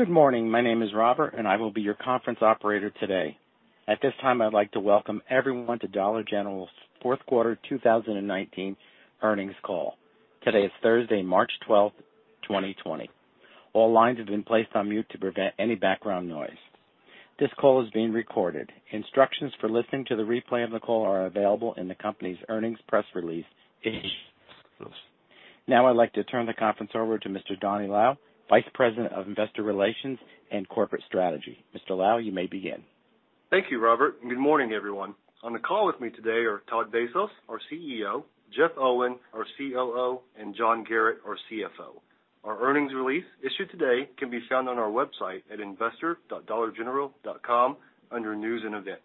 Good morning. My name is Robert, and I will be your conference operator today. At this time, I'd like to welcome everyone to Dollar General's fourth quarter 2019 earnings call. Today is Thursday, March 12th, 2020. All lines have been placed on mute to prevent any background noise. This call is being recorded. Instructions for listening to the replay of the call are available in the company's earnings press release. Now I'd like to turn the conference over to Mr. Donny Lau, Vice President of Investor Relations and Corporate Strategy. Mr. Lau, you may begin. Thank you, Robert, and good morning, everyone. On the call with me today are Todd Vasos, our CEO, Jeff Owen, our COO, and John Garratt, our CFO. Our earnings release issued today can be found on our website at investor.dollargeneral.com under News and Events.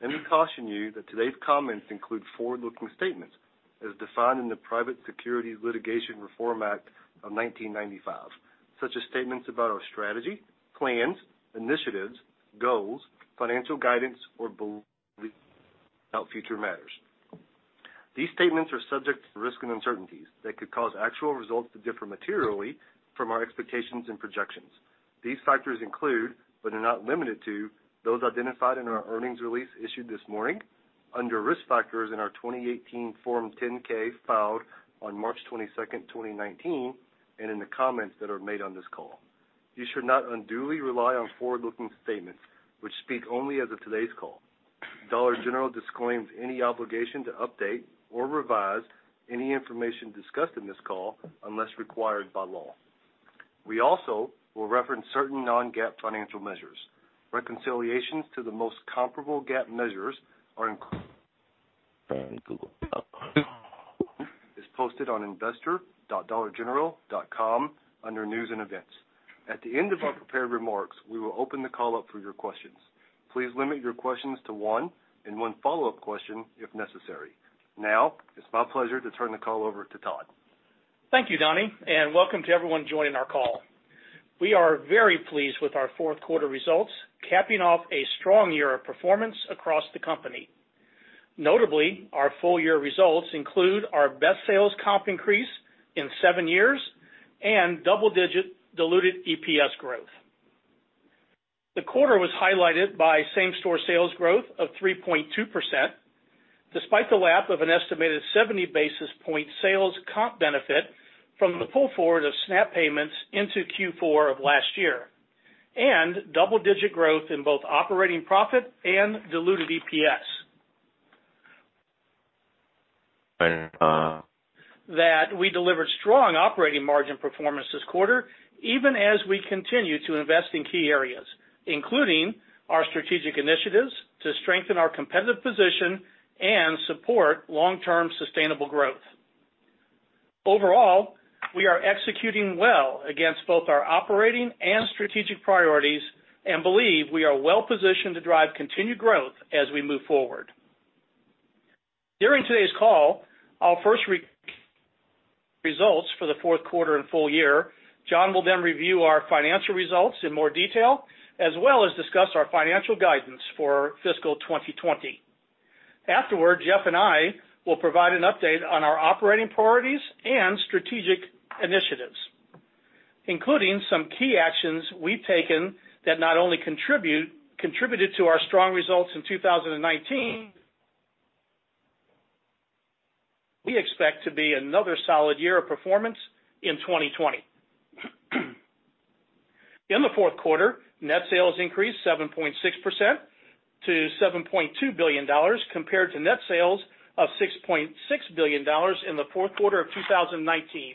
Let me caution you that today's comments include forward-looking statements as defined in the Private Securities Litigation Reform Act of 1995, such as statements about our strategy, plans, initiatives, goals, financial guidance, or beliefs about future matters. These statements are subject to risks and uncertainties that could cause actual results to differ materially from our expectations and projections. These factors include, but are not limited to, those identified in our earnings release issued this morning under Risk Factors in our 2018 Form 10-K filed on March 22nd, 2019, and in the comments that are made on this call. You should not unduly rely on forward-looking statements, which speak only as of today's call. Dollar General disclaims any obligation to update or revise any information discussed in this call unless required by law. We also will reference certain non-GAAP financial measures. Reconciliations to the most comparable GAAP measures are included is posted on investor.dollargeneral.com under News & Events. At the end of our prepared remarks, we will open the call up for your questions. Please limit your questions to one and one follow-up question if necessary. It's my pleasure to turn the call over to Todd. Thank you, Donny, and welcome to everyone joining our call. We are very pleased with our fourth quarter results, capping off a strong year of performance across the company. Notably, our full-year results include our best sales comp increase in seven years and double-digit diluted EPS growth. The quarter was highlighted by same-store sales growth of 3.2%, despite the lap of an estimated 70 basis point sales comp benefit from the pull forward of SNAP payments into Q4 of last year, and double-digit growth in both operating profit and diluted EPS. That we delivered strong operating margin performance this quarter, even as we continue to invest in key areas, including our strategic initiatives to strengthen our competitive position and support long-term sustainable growth. Overall, we are executing well against both our operating and strategic priorities and believe we are well-positioned to drive continued growth as we move forward. During today's call, I'll first read results for the fourth quarter and full year. John will then review our financial results in more detail, as well as discuss our financial guidance for fiscal 2020. Afterward, Jeff and I will provide an update on our operating priorities and strategic initiatives, including some key actions we've taken that not only contributed to our strong results in 2019, we expect to be another solid year of performance in 2020. In the fourth quarter, net sales increased 7.6% to $7.2 billion compared to net sales of $6.6 billion in the fourth quarter of 2019.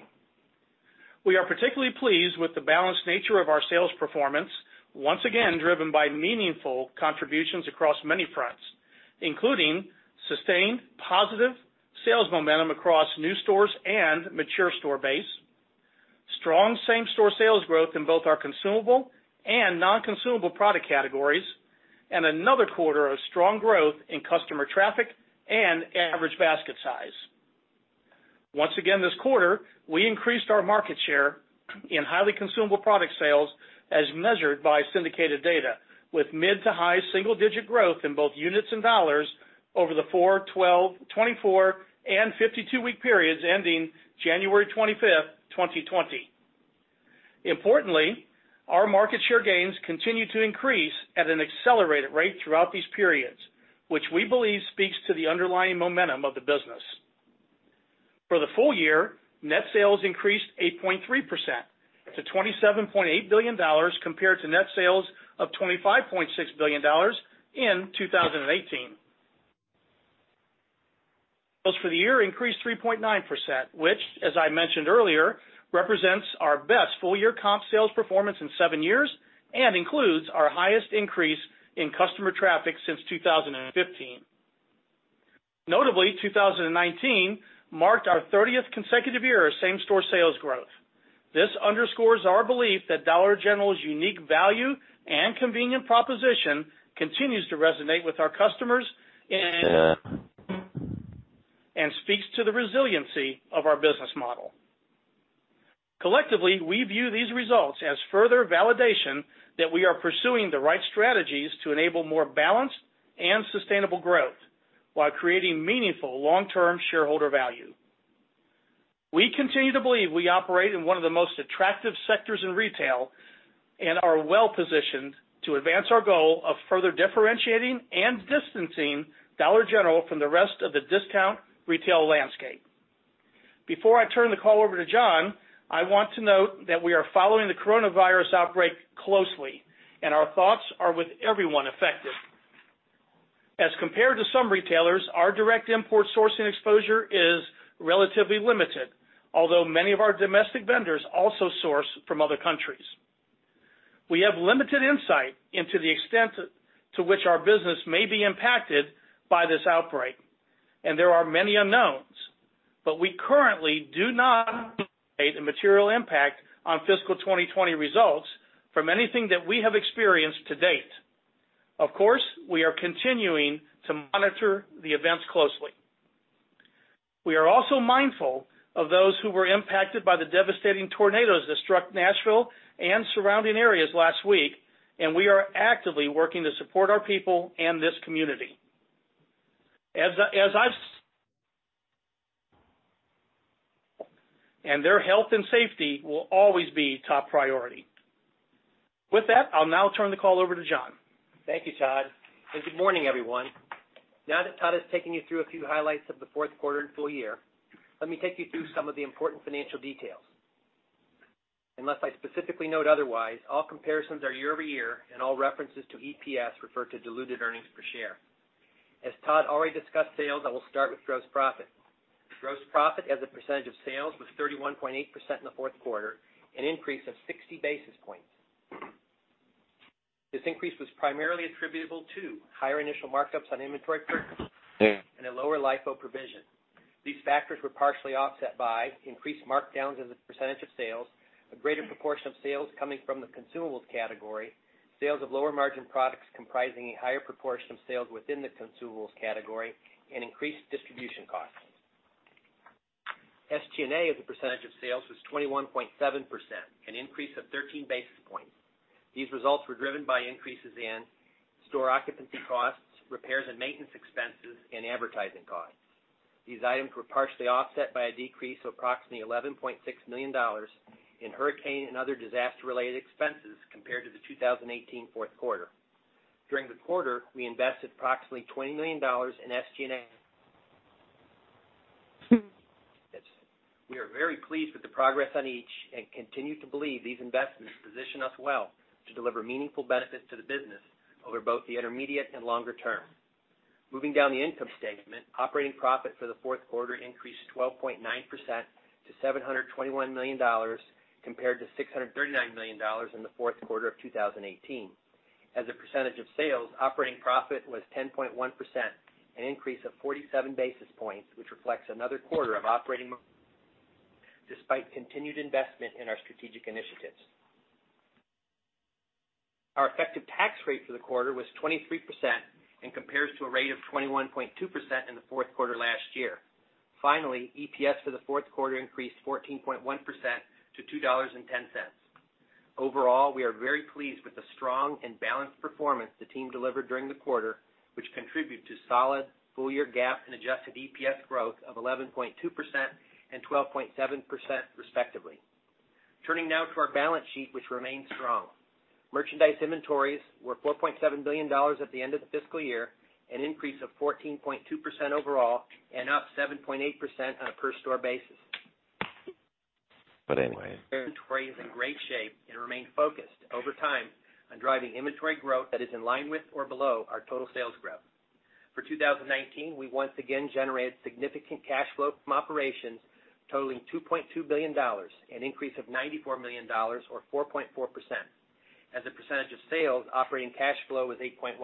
We are particularly pleased with the balanced nature of our sales performance, once again driven by meaningful contributions across many fronts, including sustained positive sales momentum across new stores and mature store base, strong same-store sales growth in both our consumable and non-consumable product categories, and another quarter of strong growth in customer traffic and average basket size. Once again this quarter, we increased our market share in highly consumable product sales as measured by syndicated data, with mid to high single digit growth in both units and dollars over the 4, 12, 24, and 52-week periods ending January 25th, 2020. Importantly, our market share gains continue to increase at an accelerated rate throughout these periods, which we believe speaks to the underlying momentum of the business. For the full year, net sales increased 8.3% to $27.8 billion compared to net sales of $25.6 billion in 2018. Sales for the year increased 3.9%, which as I mentioned earlier, represents our best full-year comp sales performance in seven years and includes our highest increase in customer traffic since 2015. Notably, 2019 marked our 30th consecutive year of same-store sales growth. This underscores our belief that Dollar General's unique value and convenient proposition continues to resonate with our customers and speaks to the resiliency of our business model. Collectively, we view these results as further validation that we are pursuing the right strategies to enable more balanced and sustainable growth while creating meaningful long-term shareholder value. We continue to believe we operate in one of the most attractive sectors in retail and are well-positioned to advance our goal of further differentiating and distancing Dollar General from the rest of the discount retail landscape. Before I turn the call over to John, I want to note that we are following the coronavirus outbreak closely. Our thoughts are with everyone affected. As compared to some retailers, our direct import sourcing exposure is relatively limited, although many of our domestic vendors also source from other countries. We have limited insight into the extent to which our business may be impacted by this outbreak. There are many unknowns. We currently do not a material impact on fiscal 2020 results from anything that we have experienced to date. Of course, we are continuing to monitor the events closely. We are also mindful of those who were impacted by the devastating tornadoes that struck Nashville and surrounding areas last week. We are actively working to support our people and this community. Their health and safety will always be top priority. With that, I'll now turn the call over to John. Thank you, Todd, and good morning, everyone. Now that Todd has taken you through a few highlights of the fourth quarter and full year, let me take you through some of the important financial details. Unless I specifically note otherwise, all comparisons are year-over-year and all references to EPS refer to diluted earnings per share. As Todd already discussed sales, I will start with gross profit. Gross profit as a percentage of sales was 31.8% in the fourth quarter, an increase of 60 basis points. This increase was primarily attributable to higher initial markups on inventory purchases and a lower LIFO provision. These factors were partially offset by increased markdowns as a percentage of sales, a greater proportion of sales coming from the consumables category, sales of lower-margin products comprising a higher proportion of sales within the consumables category, and increased distribution costs. SG&A as a percentage of sales was 21.7%, an increase of 13 basis points. These results were driven by increases in store occupancy costs, repairs and maintenance expenses, and advertising costs. These items were partially offset by a decrease of approximately $11.6 million in hurricane and other disaster-related expenses compared to the 2018 fourth quarter. During the quarter, we invested approximately $20 million in SG&A. We are very pleased with the progress on each and continue to believe these investments position us well to deliver meaningful benefits to the business over both the intermediate and longer term. Moving down the income statement, operating profit for the fourth quarter increased 12.9% to $721 million, compared to $639 million in the fourth quarter of 2018. As a percentage of sales, operating profit was 10.1%, an increase of 47 basis points, which reflects another quarter of operating, despite continued investment in our strategic initiatives. Our effective tax rate for the quarter was 23% and compares to a rate of 21.2% in the fourth quarter last year. EPS for the fourth quarter increased 14.1% to $2.10. We are very pleased with the strong and balanced performance the team delivered during the quarter, which contribute to solid full-year GAAP and adjusted EPS growth of 11.2% and 12.7% respectively. Turning now to our balance sheet, which remains strong. Merchandise inventories were $4.7 billion at the end of the fiscal year, an increase of 14.2% overall and up 7.8% on a per-store basis. Inventory is in great shape and remain focused over time on driving inventory growth that is in line with or below our total sales growth. For 2019, we once again generated significant cash flow from operations totaling $2.2 billion, an increase of $94 million or 4.4%. As a percentage of sales, operating cash flow was 8.1%.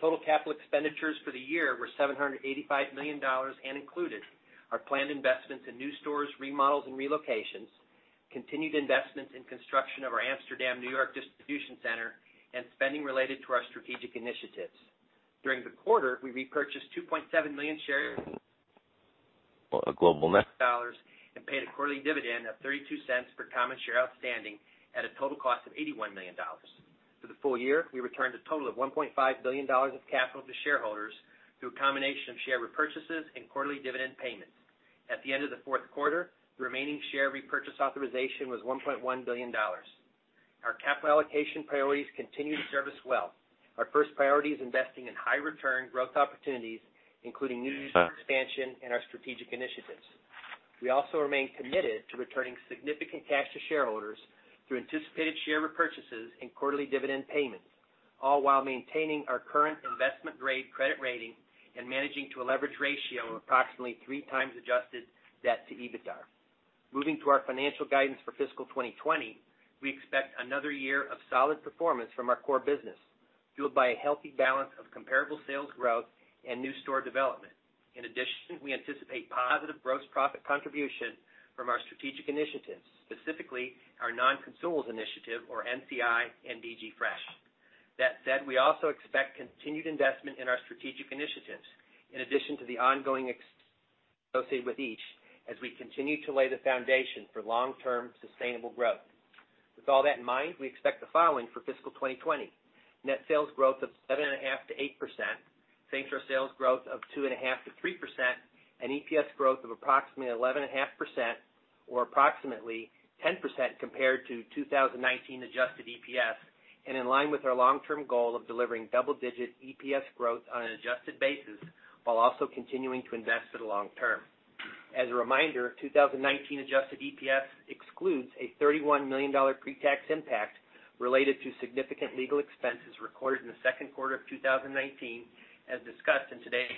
Total capital expenditures for the year were $785 million and included our planned investments in new stores, remodels, and relocations, continued investments in construction of our Amsterdam, New York, distribution center, and spending related to our strategic initiatives. During the quarter, we repurchased 2.7 million shares. Dollars and paid a quarterly dividend of $0.32 per common share outstanding at a total cost of $81 million. For the full year, we returned a total of $1.5 billion of capital to shareholders through a combination of share repurchases and quarterly dividend payments. At the end of the fourth quarter, the remaining share repurchase authorization was $1.1 billion. Our capital allocation priorities continue to serve us well. Our first priority is investing in high-return growth opportunities, including new store expansion and our strategic initiatives. We also remain committed to returning significant cash to shareholders through anticipated share repurchases and quarterly dividend payments, all while maintaining our current investment-grade credit rating and managing to a leverage ratio of approximately three times adjusted debt to EBITDA. Moving to our financial guidance for fiscal 2020, we expect another year of solid performance from our core business, fueled by a healthy balance of comparable sales growth and new store development. We anticipate positive gross profit contribution from our strategic initiatives, specifically our Non-Consumables Initiative or NCI and DG Fresh. We also expect continued investment in our strategic initiatives in addition to the ongoing associated with each as we continue to lay the foundation for long-term sustainable growth. With all that in mind, we expect the following for fiscal 2020. Net sales growth of 7.5%-8%, same-store sales growth of 2.5%-3%, and EPS growth of approximately 11.5%, or approximately 10% compared to 2019 adjusted EPS, and in line with our long-term goal of delivering double-digit EPS growth on an adjusted basis while also continuing to invest for the long term. As a reminder, 2019 adjusted EPS excludes a $31 million pre-tax impact related to significant legal expenses recorded in the second quarter of 2019, as discussed in today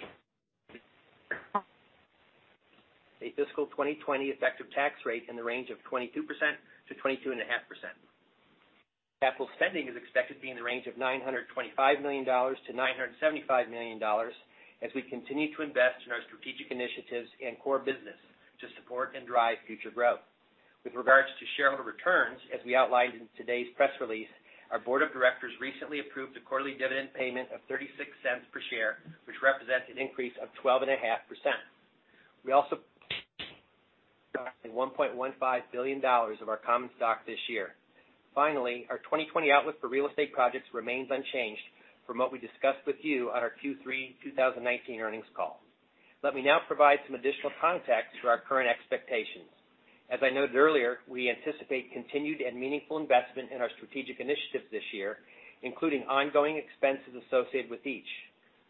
a fiscal 2020 effective tax rate in the range of 22%-22.5%. Capital spending is expected to be in the range of $925 million-$975 million as we continue to invest in our strategic initiatives and core business to support and drive future growth. With regards to shareholder returns, as we outlined in today's press release, our board of directors recently approved a quarterly dividend payment of $0.36 per share, which represents an increase of 12.5%. We also approximately $1.15 billion of our common stock this year. Finally, our 2020 outlook for real estate projects remains unchanged from what we discussed with you on our Q3 2019 earnings call. Let me now provide some additional context to our current expectations. As I noted earlier, we anticipate continued and meaningful investment in our strategic initiatives this year, including ongoing expenses associated with each.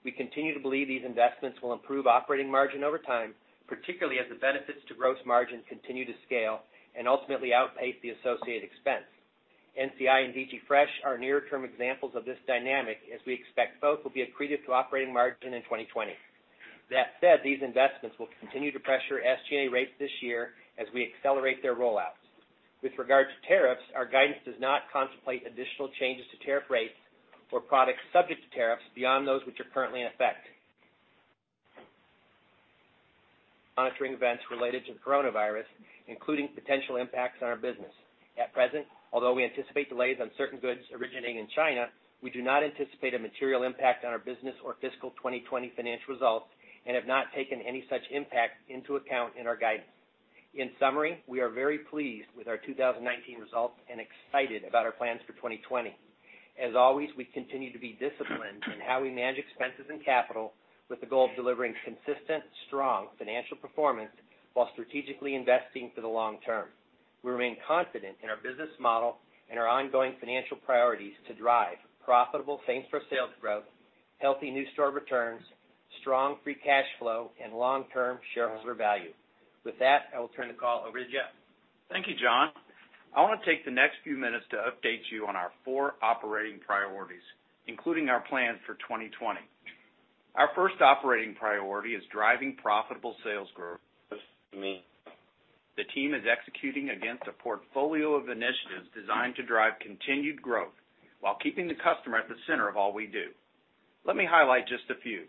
We continue to believe these investments will improve operating margin over time, particularly as the benefits to gross margin continue to scale and ultimately outpace the associated expense. NCI and DG Fresh are near-term examples of this dynamic, as we expect both will be accretive to operating margin in 2020. That said, these investments will continue to pressure SG&A rates this year as we accelerate their roll-outs. With regard to tariffs, our guidance does not contemplate additional changes to tariff rates for products subject to tariffs beyond those which are currently in effect. We are monitoring events related to the coronavirus, including potential impacts on our business. At present, although we anticipate delays on certain goods originating in China, we do not anticipate a material impact on our business or fiscal 2020 financial results and have not taken any such impact into account in our guidance. In summary, we are very pleased with our 2019 results and excited about our plans for 2020. As always, we continue to be disciplined in how we manage expenses and capital with the goal of delivering consistent, strong financial performance while strategically investing for the long term. We remain confident in our business model and our ongoing financial priorities to drive profitable same-store sales growth, healthy new store returns, strong free cash flow, and long-term shareholder value. With that, I will turn the call over to Jeff. Thank you, John. I want to take the next few minutes to update you on our four operating priorities, including our plans for 2020. Our first operating priority is driving profitable sales growth. The team is executing against a portfolio of initiatives designed to drive continued growth while keeping the customer at the center of all we do. Let me highlight just a few.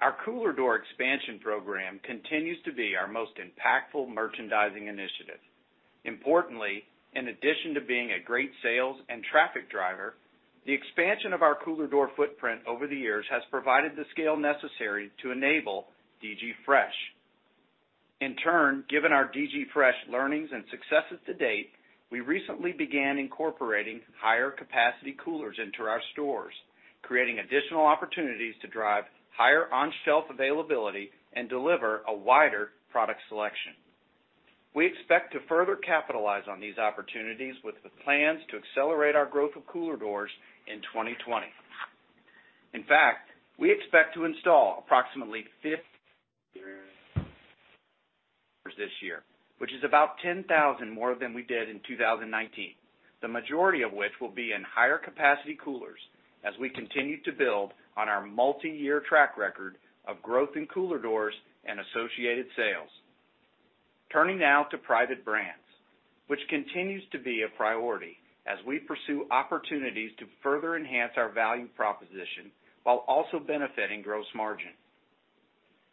Our cooler door expansion program continues to be our most impactful merchandising initiative. Importantly, in addition to being a great sales and traffic driver, the expansion of our cooler door footprint over the years has provided the scale necessary to enable DG Fresh. Given our DG Fresh learnings and successes to date, we recently began incorporating higher capacity coolers into our stores, creating additional opportunities to drive higher on-shelf availability and deliver a wider product selection. We expect to further capitalize on these opportunities with the plans to accelerate our growth of cooler doors in 2020. In fact, we expect to install approximately 50 this year, which is about 10,000 more than we did in 2019, the majority of which will be in higher capacity coolers as we continue to build on our multi-year track record of growth in cooler doors and associated sales. Turning now to private brands, which continues to be a priority as we pursue opportunities to further enhance our value proposition while also benefiting gross margin.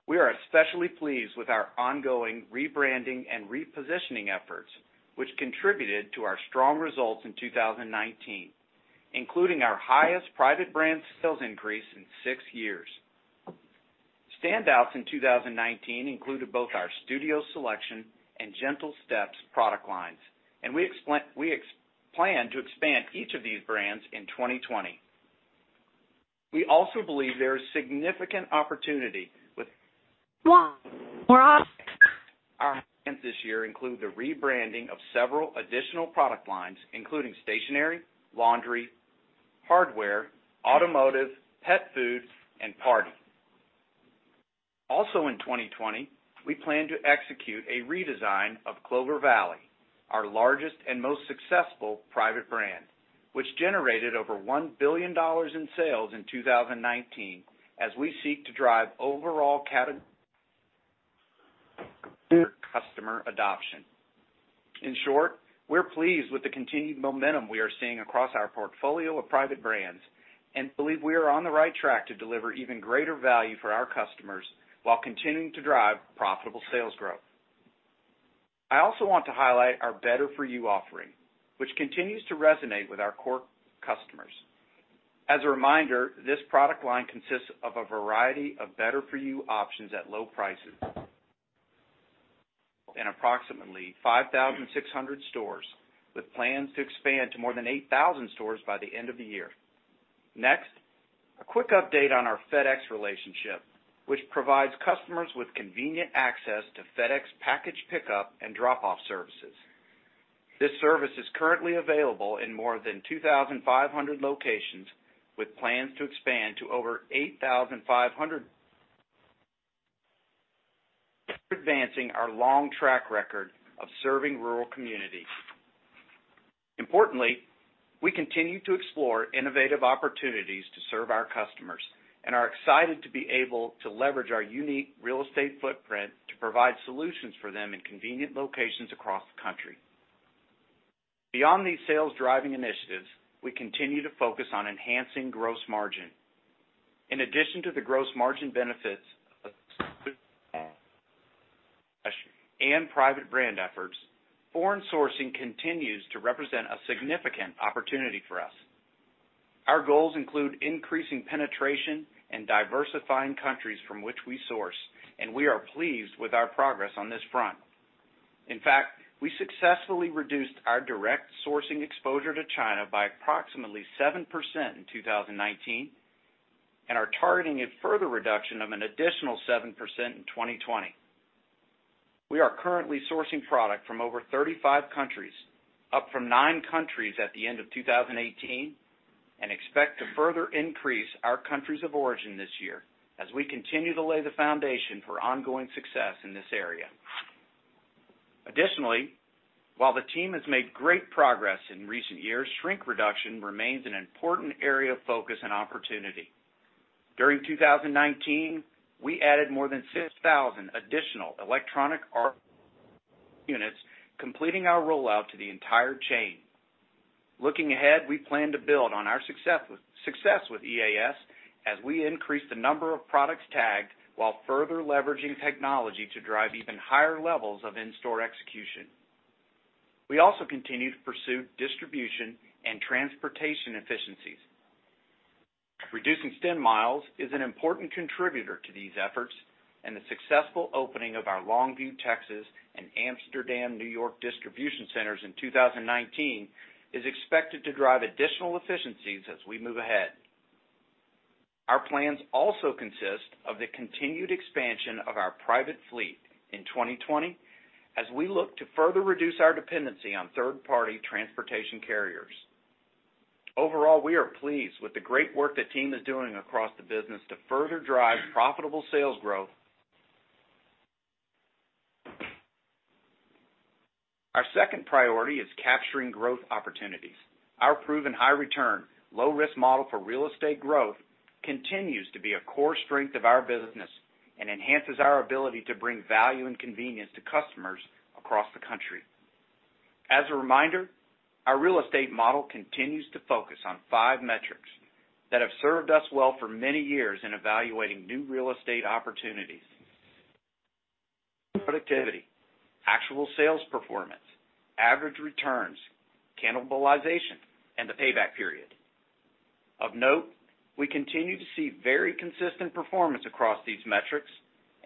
We are especially pleased with our ongoing rebranding and repositioning efforts, which contributed to our strong results in 2019, including our highest private brand sales increase in six years. Standouts in 2019 included both our Studio Selection and Gentle Steps product lines, and we plan to expand each of these brands in 2020. We also believe there is significant opportunity. Our plans this year include the rebranding of several additional product lines, including stationery, laundry, hardware, automotive, pet food, and party. Also in 2020, we plan to execute a redesign of Clover Valley, our largest and most successful private brand, which generated over $1 billion in sales in 2019 as we seek to drive overall customer adoption. In short, we're pleased with the continued momentum we are seeing across our portfolio of private brands and believe we are on the right track to deliver even greater value for our customers while continuing to drive profitable sales growth. I also want to highlight our Better For You offering, which continues to resonate with our core customer. As a reminder, this product line consists of a variety of better-for-you options at low prices. In approximately 5,600 stores, with plans to expand to more than 8,000 stores by the end of the year. Next, a quick update on our FedEx relationship, which provides customers with convenient access to FedEx package pickup and drop-off services. This service is currently available in more than 2,500 locations, with plans to expand to over 8,500, advancing our long track record of serving rural communities. We continue to explore innovative opportunities to serve our customers and are excited to be able to leverage our unique real estate footprint to provide solutions for them in convenient locations across the country. Beyond these sales-driving initiatives, we continue to focus on enhancing gross margin. In addition to the gross margin benefits of and private brand efforts, foreign sourcing continues to represent a significant opportunity for us. Our goals include increasing penetration and diversifying countries from which we source, and we are pleased with our progress on this front. In fact, we successfully reduced our direct sourcing exposure to China by approximately 7% in 2019 and are targeting a further reduction of an additional 7% in 2020. We are currently sourcing product from over 35 countries, up from nine countries at the end of 2018, and expect to further increase our countries of origin this year as we continue to lay the foundation for ongoing success in this area. Additionally, while the team has made great progress in recent years, shrink reduction remains an important area of focus and opportunity. During 2019, we added more than 6,000 additional electronic RF units, completing our rollout to the entire chain. Looking ahead, we plan to build on our success with EAS as we increase the number of products tagged while further leveraging technology to drive even higher levels of in-store execution. We also continue to pursue distribution and transportation efficiencies. Reducing stem miles is an important contributor to these efforts, and the successful opening of our Longview, Texas, and Amsterdam, New York, distribution centers in 2019 is expected to drive additional efficiencies as we move ahead. Our plans also consist of the continued expansion of our private fleet in 2020 as we look to further reduce our dependency on third-party transportation carriers. Overall, we are pleased with the great work the team is doing across the business to further drive profitable sales growth. Our second priority is capturing growth opportunities. Our proven high return, low risk model for real estate growth continues to be a core strength of our business and enhances our ability to bring value and convenience to customers across the country. As a reminder, our real estate model continues to focus on five metrics that have served us well for many years in evaluating new real estate opportunities. Productivity, actual sales performance, average returns, cannibalization, and the payback period.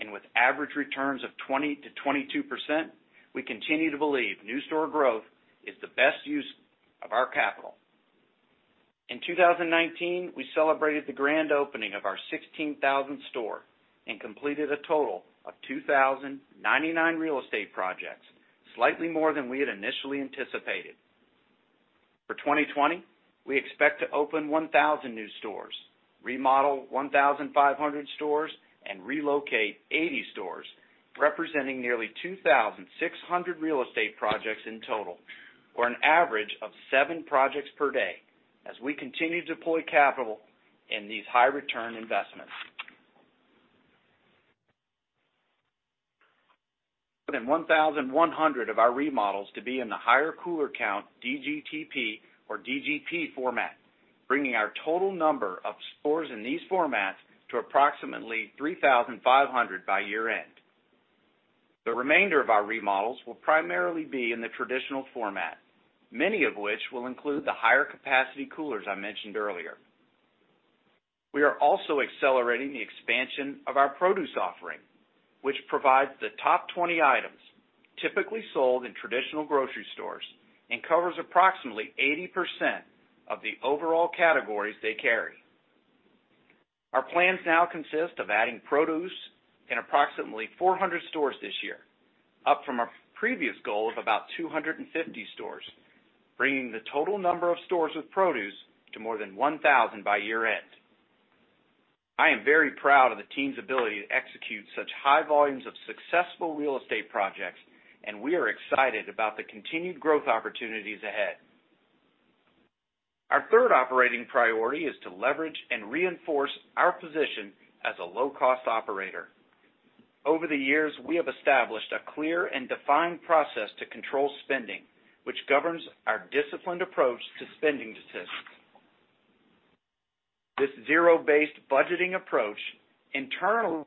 With average returns of 20%-22%, we continue to believe new store growth is the best use of our capital. In 2019, we celebrated the grand opening of our 16,000th store and completed a total of 2,099 real estate projects, slightly more than we had initially anticipated. For 2020, we expect to open 1,000 new stores, remodel 1,500 stores, and relocate 80 stores, representing nearly 2,600 real estate projects in total, or an average of seven projects per day, as we continue to deploy capital in these high return investments. More than 1,100 of our remodels to be in the higher cooler count DGTP or DGP format, bringing our total number of stores in these formats to approximately 3,500 by year-end. The remainder of our remodels will primarily be in the traditional format, many of which will include the higher capacity coolers I mentioned earlier. We are also accelerating the expansion of our produce offering, which provides the top 20 items typically sold in traditional grocery stores and covers approximately 80% of the overall categories they carry. Our plans now consist of adding produce in approximately 400 stores this year, up from our previous goal of about 250 stores, bringing the total number of stores with produce to more than 1,000 by year-end. I am very proud of the team's ability to execute such high volumes of successful real estate projects, and we are excited about the continued growth opportunities ahead. Our third operating priority is to leverage and reinforce our position as a low-cost operator. Over the years, we have established a clear and defined process to control spending, which governs our disciplined approach to spending decisions. This zero-based budgeting approach internally.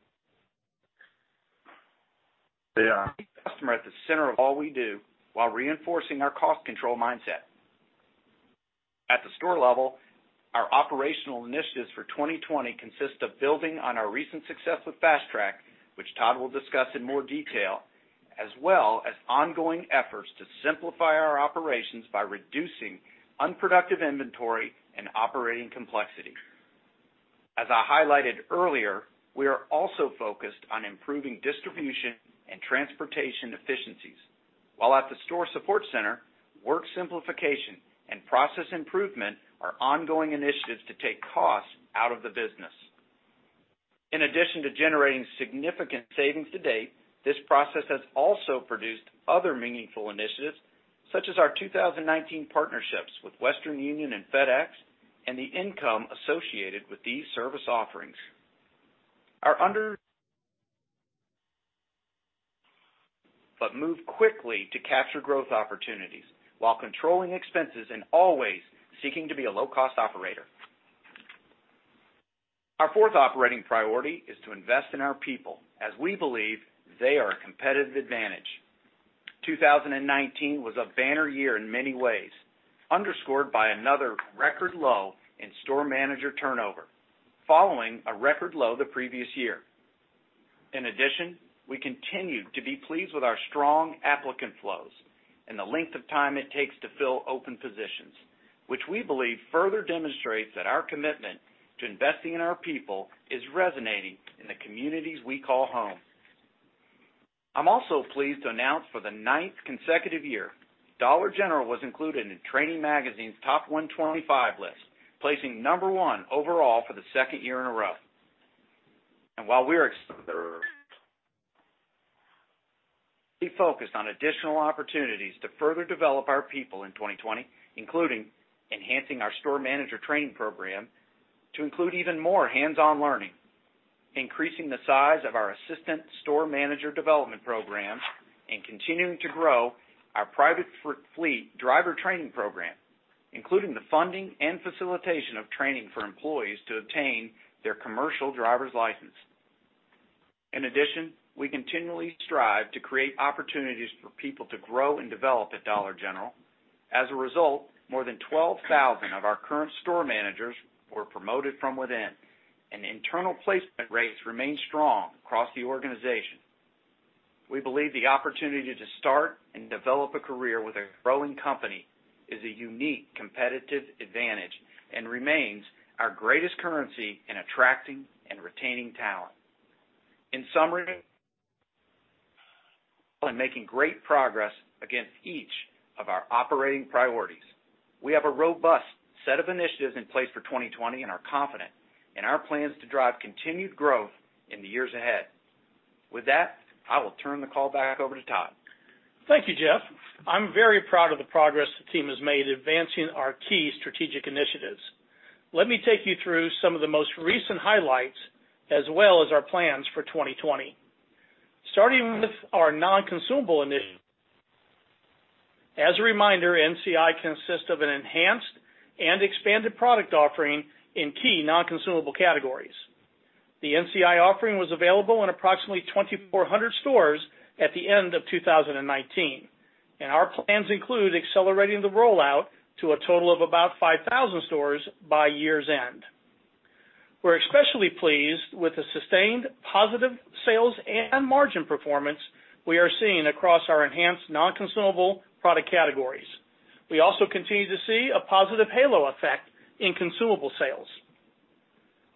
The customer at the center of all we do while reinforcing our cost control mindset. At the store level, our operational initiatives for 2020 consist of building on our recent success with Fast Track, which Todd will discuss in more detail, as well as ongoing efforts to simplify our operations by reducing unproductive inventory and operating complexity. As I highlighted earlier, we are also focused on improving distribution and transportation efficiencies, while at the store support center, work simplification and process improvement are ongoing initiatives to take costs out of the business. In addition to generating significant savings to date, this process has also produced other meaningful initiatives, such as our 2019 partnerships with Western Union and FedEx, and the income associated with these service offerings. Move quickly to capture growth opportunities while controlling expenses and always seeking to be a low-cost operator. Our fourth operating priority is to invest in our people as we believe they are a competitive advantage. 2019 was a banner year in many ways, underscored by another record low in store manager turnover, following a record low the previous year. We continue to be pleased with our strong applicant flows and the length of time it takes to fill open positions, which we believe further demonstrates that our commitment to investing in our people is resonating in the communities we call home. I'm also pleased to announce for the ninth consecutive year, Dollar General was included in Training Magazine's top 125 list, placing Number 1 overall for the second year in a row. While we're focused on additional opportunities to further develop our people in 2020, including enhancing our store manager training program to include even more hands-on learning, increasing the size of our assistant store manager development program, and continuing to grow our private fleet driver training program, including the funding and facilitation of training for employees to obtain their commercial driver's license. In addition, we continually strive to create opportunities for people to grow and develop at Dollar General. As a result, more than 12,000 of our current store managers were promoted from within, and internal placement rates remain strong across the organization. We believe the opportunity to start and develop a career with a growing company is a unique competitive advantage and remains our greatest currency in attracting and retaining talent. In summary, making great progress against each of our operating priorities. We have a robust set of initiatives in place for 2020 and are confident in our plans to drive continued growth in the years ahead. With that, I will turn the call back over to Todd. Thank you, Jeff. I'm very proud of the progress the team has made advancing our key strategic initiatives. Let me take you through some of the most recent highlights, as well as our plans for 2020. Starting with our Non-Consumable Initiative. As a reminder, NCI consists of an enhanced and expanded product offering in key non-consumable categories. The NCI offering was available in approximately 2,400 stores at the end of 2019, and our plans include accelerating the rollout to a total of about 5,000 stores by year's end. We're especially pleased with the sustained positive sales and margin performance we are seeing across our enhanced non-consumable product categories. We also continue to see a positive halo effect in consumable sales.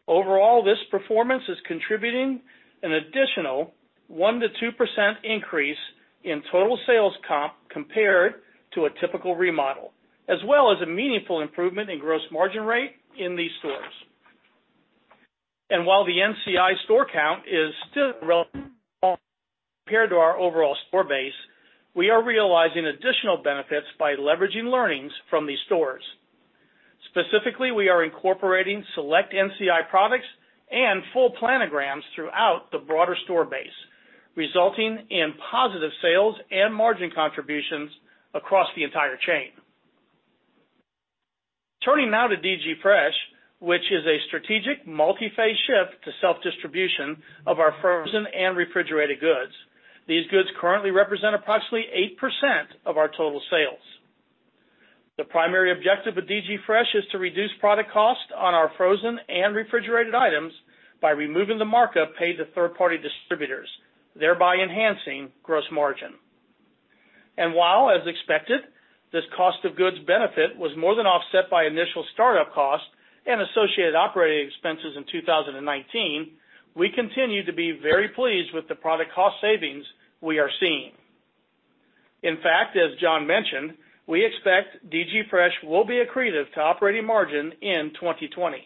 Overall, this performance is contributing an additional 1% to 2% increase in total sales comp compared to a typical remodel, as well as a meaningful improvement in gross margin rate in these stores. While the NCI store count is still relevant compared to our overall store base, we are realizing additional benefits by leveraging learnings from these stores. Specifically, we are incorporating select NCI products and full planograms throughout the broader store base, resulting in positive sales and margin contributions across the entire chain. Turning now to DG Fresh, which is a strategic multi-phase shift to self-distribution of our frozen and refrigerated goods. These goods currently represent approximately 8% of our total sales. The primary objective of DG Fresh is to reduce product cost on our frozen and refrigerated items by removing the markup paid to third-party distributors, thereby enhancing gross margin. While, as expected, this cost of goods benefit was more than offset by initial startup costs and associated operating expenses in 2019, we continue to be very pleased with the product cost savings we are seeing. In fact, as John mentioned, we expect DG Fresh will be accretive to operating margin in 2020.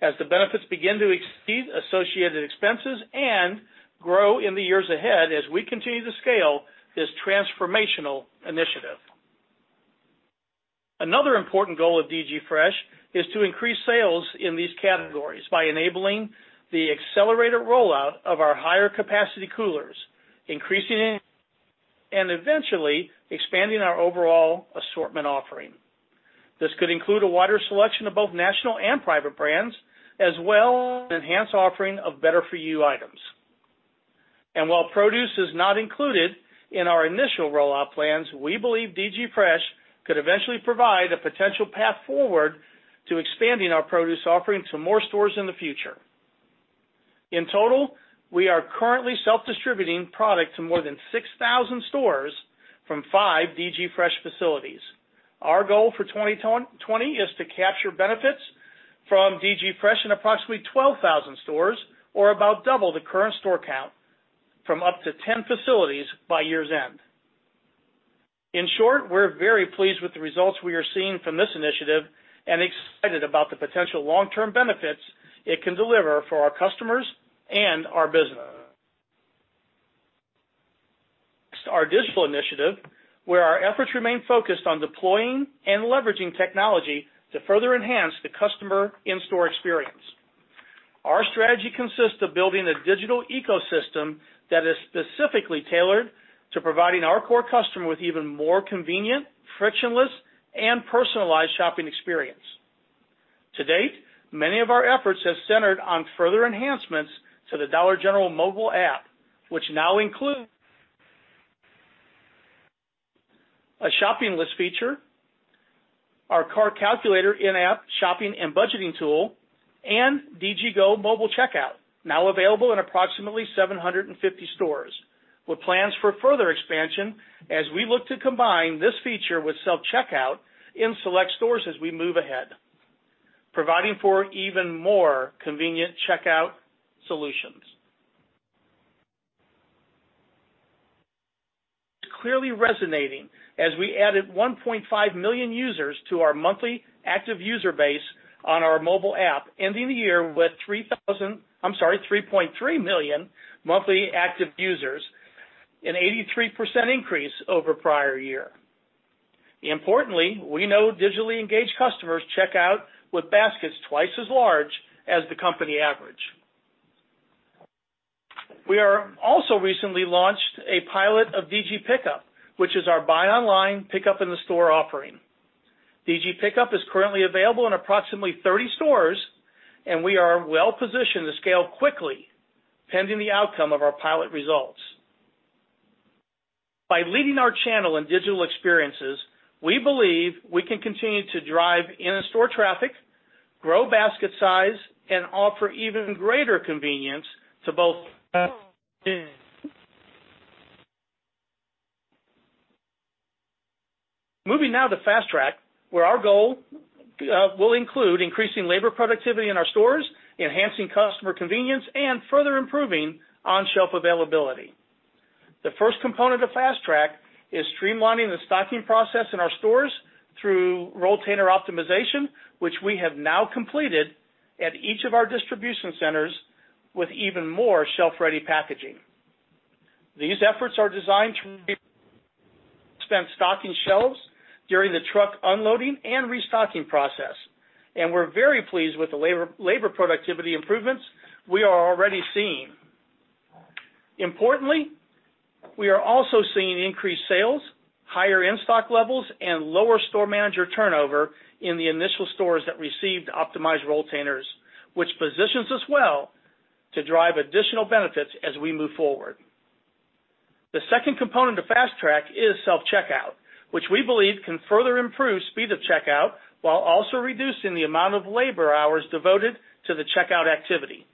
The benefits begin to exceed associated expenses and grow in the years ahead as we continue to scale this transformational initiative. Another important goal of DG Fresh is to increase sales in these categories by enabling the accelerated rollout of our higher capacity coolers, increasing and eventually expanding our overall assortment offering. This could include a wider selection of both national and private brands, as well as enhanced offering of Better For You items. While produce is not included in our initial rollout plans, we believe DG Fresh could eventually provide a potential path forward to expanding our produce offering to more stores in the future. In total, we are currently self-distributing product to more than 6,000 stores from five DG Fresh facilities. Our goal for 2020 is to capture benefits from DG Fresh in approximately 12,000 stores, or about double the current store count from up to 10 facilities by year's end. In short, we're very pleased with the results we are seeing from this initiative and excited about the potential long-term benefits it can deliver for our customers and our business. Our digital initiative, where our efforts remain focused on deploying and leveraging technology to further enhance the customer in-store experience. Our strategy consists of building a digital ecosystem that is specifically tailored to providing our core customer with even more convenient, frictionless, and personalized shopping experience. To date, many of our efforts have centered on further enhancements to the Dollar General mobile app, which now includes a shopping list feature, our cart calculator in-app shopping and budgeting tool, and DG Go! mobile checkout, now available in approximately 750 stores with plans for further expansion as we look to combine this feature with self-checkout in select stores as we move ahead, providing for even more convenient checkout solutions. It's clearly resonating as we added 1.5 million users to our monthly active user base on our mobile app, ending the year with 3.3 million monthly active users, an 83% increase over prior year. Importantly, we know digitally engaged customers check out with baskets twice as large as the company average. We are also recently launched a pilot of DG Pickup, which is our buy online, pickup in the store offering. DG Pickup is currently available in approximately 30 stores. We are well-positioned to scale quickly, pending the outcome of our pilot results. By leading our channel in digital experiences, we believe we can continue to drive in-store traffic, grow basket size, and offer even greater convenience to both. Moving now to Fast Track, where our goal will include increasing labor productivity in our stores, enhancing customer convenience, and further improving on-shelf availability. The first component of Fast Track is streamlining the stocking process in our stores through rolltainer optimization, which we have now completed at each of our distribution centers with even more shelf-ready packaging. These efforts are designed to spend stocking shelves during the truck unloading and restocking process, and we're very pleased with the labor productivity improvements we are already seeing. Importantly, we are also seeing increased sales, higher in-stock levels, and lower store manager turnover in the initial stores that received optimized rolltainers, which positions us well to drive additional benefits as we move forward. The second component of Fast Track is self-checkout, which we believe can further improve speed of checkout while also reducing the amount of labor hours devoted to the checkout activity.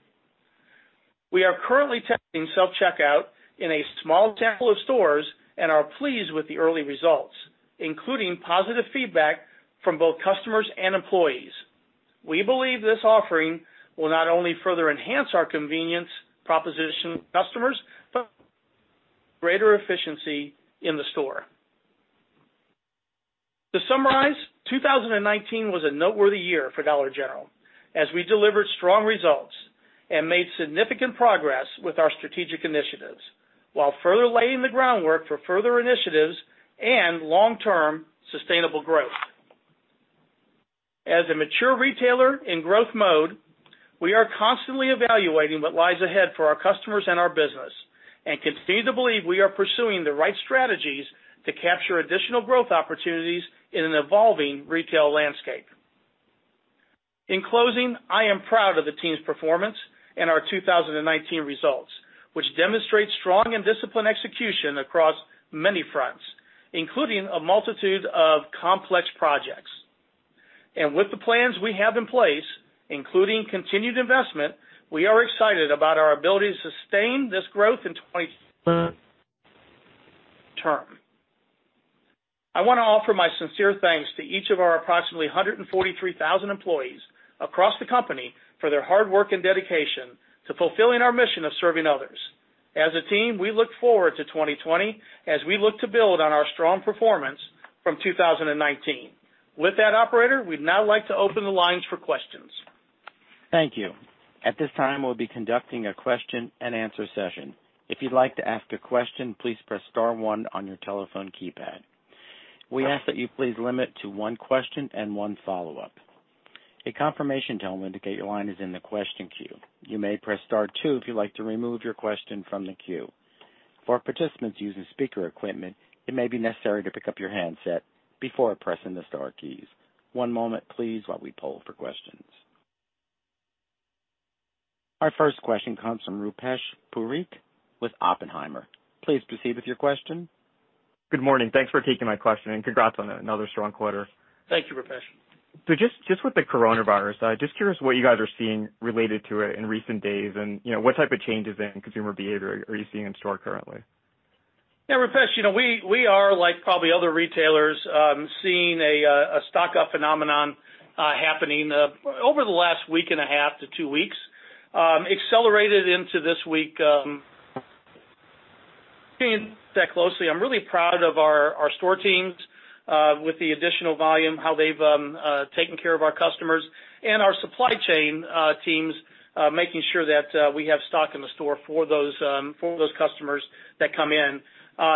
We are currently testing self-checkout in a small sample of stores and are pleased with the early results, including positive feedback from both customers and employees. We believe this offering will not only further enhance our convenience proposition customers but greater efficiency in the store. To summarize, 2019 was a noteworthy year for Dollar General as we delivered strong results and made significant progress with our strategic initiatives while further laying the groundwork for further initiatives and long-term sustainable growth. As a mature retailer in growth mode, we are constantly evaluating what lies ahead for our customers and our business and continue to believe we are pursuing the right strategies to capture additional growth opportunities in an evolving retail landscape. In closing, I am proud of the team's performance and our 2019 results, which demonstrate strong and disciplined execution across many fronts, including a multitude of complex projects. With the plans we have in place, including continued investment, we are excited about our ability to sustain this growth in 2020. I want to offer my sincere thanks to each of our approximately 143,000 employees across the company for their hard work and dedication to fulfilling our mission of serving others. As a team, we look forward to 2020 as we look to build on our strong performance from 2019. With that, operator, we'd now like to open the lines for questions. Thank you. At this time, we'll be conducting a question-and-answer session. If you'd like to ask a question, please press star one on your telephone keypad. We ask that you please limit to one question and one follow-up. A confirmation tone will indicate your line is in the question queue. You may press star two if you'd like to remove your question from the queue. For participants using speaker equipment, it may be necessary to pick up your handset before pressing the star keys. One moment please, while we poll for questions. Our first question comes from Rupesh Parikh with Oppenheimer. Please proceed with your question. Good morning. Thanks for taking my question, and congrats on another strong quarter. Thank you, Rupesh. Just with the coronavirus, just curious what you guys are seeing related to it in recent days and what type of changes in consumer behavior are you seeing in-store currently? Yeah, Rupesh, we are, like probably other retailers, seeing a stock-up phenomenon happening over the last week and a half to two weeks, accelerated into this week. Seeing that closely, I'm really proud of our store teams with the additional volume, how they've taken care of our customers, and our supply chain teams making sure that we have stock in the store for those customers that come in.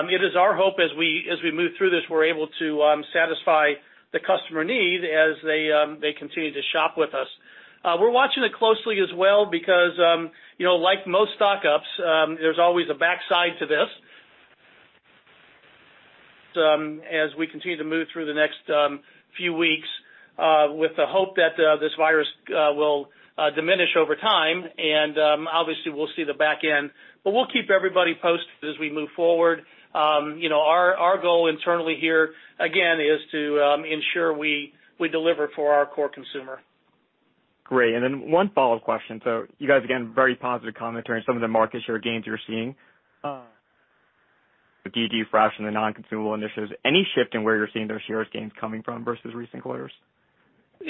It is our hope as we move through this, we're able to satisfy the customer need as they continue to shop with us. We're watching it closely as well because, like most stock-ups, there's always a backside to this as we continue to move through the next few weeks with the hope that this virus will diminish over time and obviously, we'll see the back end. We'll keep everybody posted as we move forward. Our goal internally here, again, is to ensure we deliver for our core consumer. Great. One follow-up question. You guys, again, very positive commentary on some of the market share gains you're seeing, DG Fresh and the Non-Consumable Initiatives. Any shift in where you're seeing those shares gains coming from versus recent quarters? As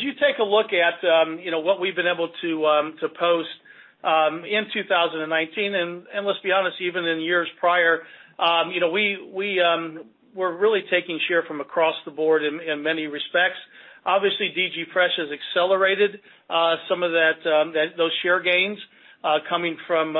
you take a look at what we've been able to post in 2019, let's be honest, even in years prior, we're really taking share from across the board in many respects. Obviously, DG Fresh has accelerated some of those share gains coming from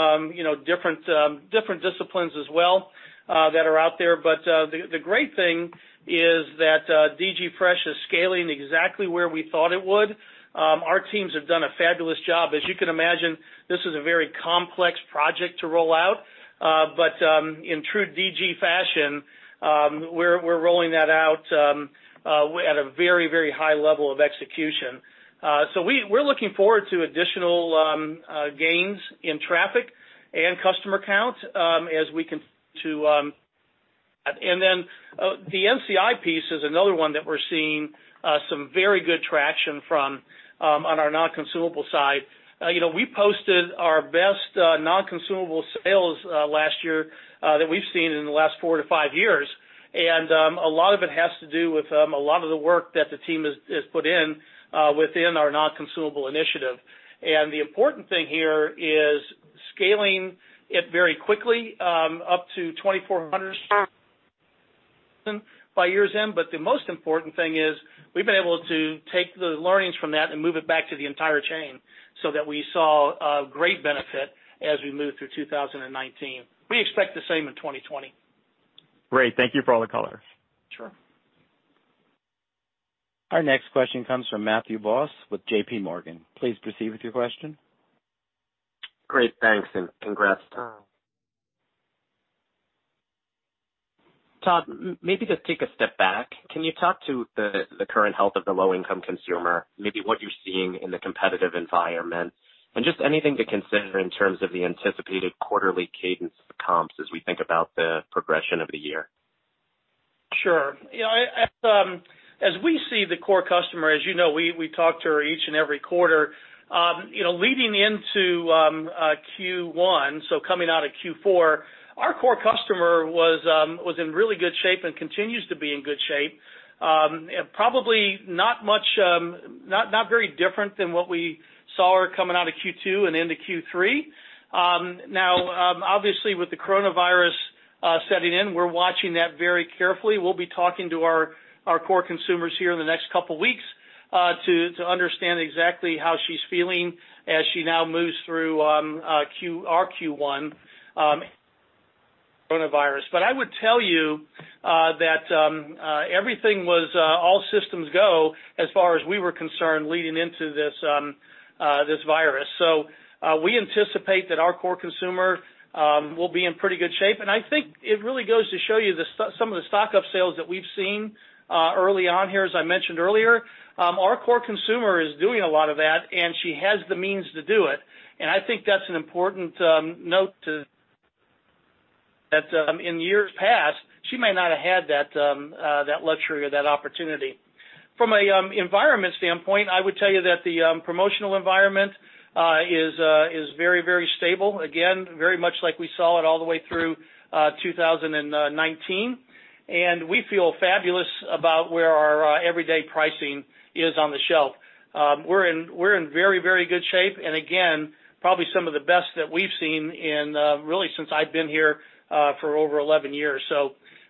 different disciplines as well that are out there. The great thing is that DG Fresh is scaling exactly where we thought it would. Our teams have done a fabulous job. As you can imagine, this is a very complex project to roll out. In true DG fashion, we're rolling that out at a very high level of execution. We're looking forward to additional gains in traffic and customer count. The NCI piece is another one that we're seeing some very good traction from on our non-consumable side. We posted our best non-consumable sales last year that we've seen in the last four to five years. A lot of it has to do with a lot of the work that the team has put in within our Non-Consumable Initiative. The important thing here is scaling it very quickly up to 2,400 by year's end. The most important thing is we've been able to take the learnings from that and move it back to the entire chain so that we saw a great benefit as we moved through 2019. We expect the same in 2020. Great. Thank you for all the color. Sure. Our next question comes from Matthew Boss with J.P. Morgan. Please proceed with your question. Great, thanks, and congrats, Todd. Todd, maybe just take a step back. Can you talk to the current health of the low-income consumer, maybe what you're seeing in the competitive environment, and just anything to consider in terms of the anticipated quarterly cadence of comps as we think about the progression of the year? As we see the core customer, as you know, we talk to her each and every quarter. Leading into Q1, coming out of Q4, our core customer was in really good shape and continues to be in good shape. Probably not very different than what we saw coming out of Q2 and into Q3. Obviously, with the coronavirus setting in, we're watching that very carefully. We'll be talking to our core consumers here in the next couple of weeks to understand exactly how she's feeling as she now moves through our Q1 coronavirus. I would tell you that everything was all systems go, as far as we were concerned, leading into this virus. We anticipate that our core consumer will be in pretty good shape. I think it really goes to show you some of the stock-up sales that we've seen early on here, as I mentioned earlier. Our core consumer is doing a lot of that, and she has the means to do it. I think that's an important note to That in years past, she may not have had that luxury or that opportunity. From an environment standpoint, I would tell you that the promotional environment is very stable. Again, very much like we saw it all the way through 2019. We feel fabulous about where our everyday pricing is on the shelf. We're in very good shape, and again, probably some of the best that we've seen in, really since I've been here for over 11 years.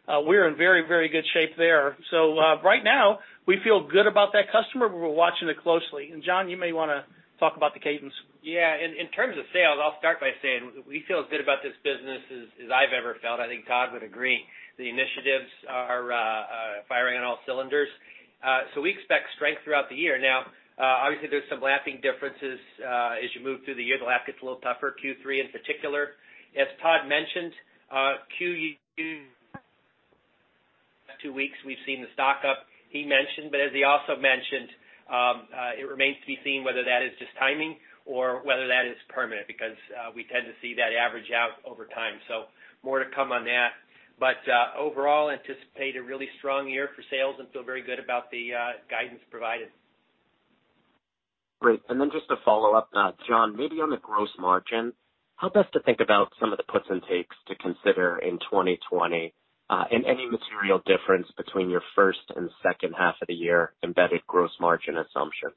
We're in very good shape there. Right now, we feel good about that customer. We're watching it closely. John, you may want to talk about the cadence. Yeah. In terms of sales, I'll start by saying we feel as good about this business as I've ever felt. I think Todd would agree. The initiatives are cylinders. We expect strength throughout the year. Now, obviously, there's some lapping differences as you move through the year. The lap gets a little tougher, Q3 in particular. As Todd mentioned, Q2, two weeks, we've seen the stock up he mentioned. As he also mentioned, it remains to be seen whether that is just timing or whether that is permanent, because we tend to see that average out over time. More to come on that. Overall, anticipate a really strong year for sales and feel very good about the guidance provided. Great. Just to follow up, John, maybe on the gross margin, help us to think about some of the puts and takes to consider in 2020, and any material difference between your first and second half of the year embedded gross margin assumptions.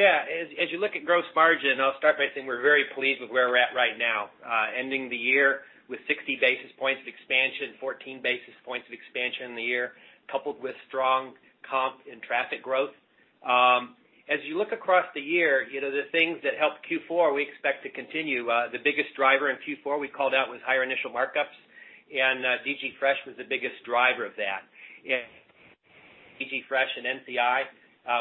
As you look at gross margin, I'll start by saying we're very pleased with where we're at right now, ending the year with 60 basis points of expansion, 14 basis points of expansion in the year, coupled with strong comp and traffic growth. As you look across the year, the things that helped Q4, we expect to continue. The biggest driver in Q4 we called out was higher initial markups, and DG Fresh was the biggest driver of that. DG Fresh and NCI,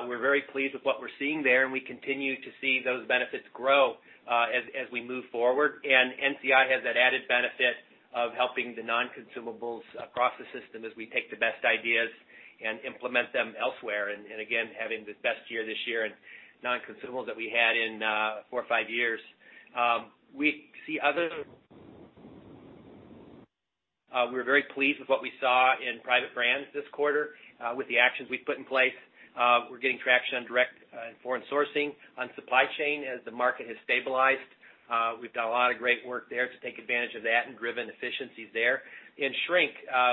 we're very pleased with what we're seeing there, and we continue to see those benefits grow, as we move forward. NCI has that added benefit of helping the non-consumables across the system as we take the best ideas and implement them elsewhere. Again, having the best year this year in non-consumables that we had in four or five years. We're very pleased with what we saw in private brands this quarter with the actions we've put in place. We're getting traction on direct foreign sourcing, on supply chain as the market has stabilized. We've done a lot of great work there to take advantage of that and driven efficiencies there. In shrink,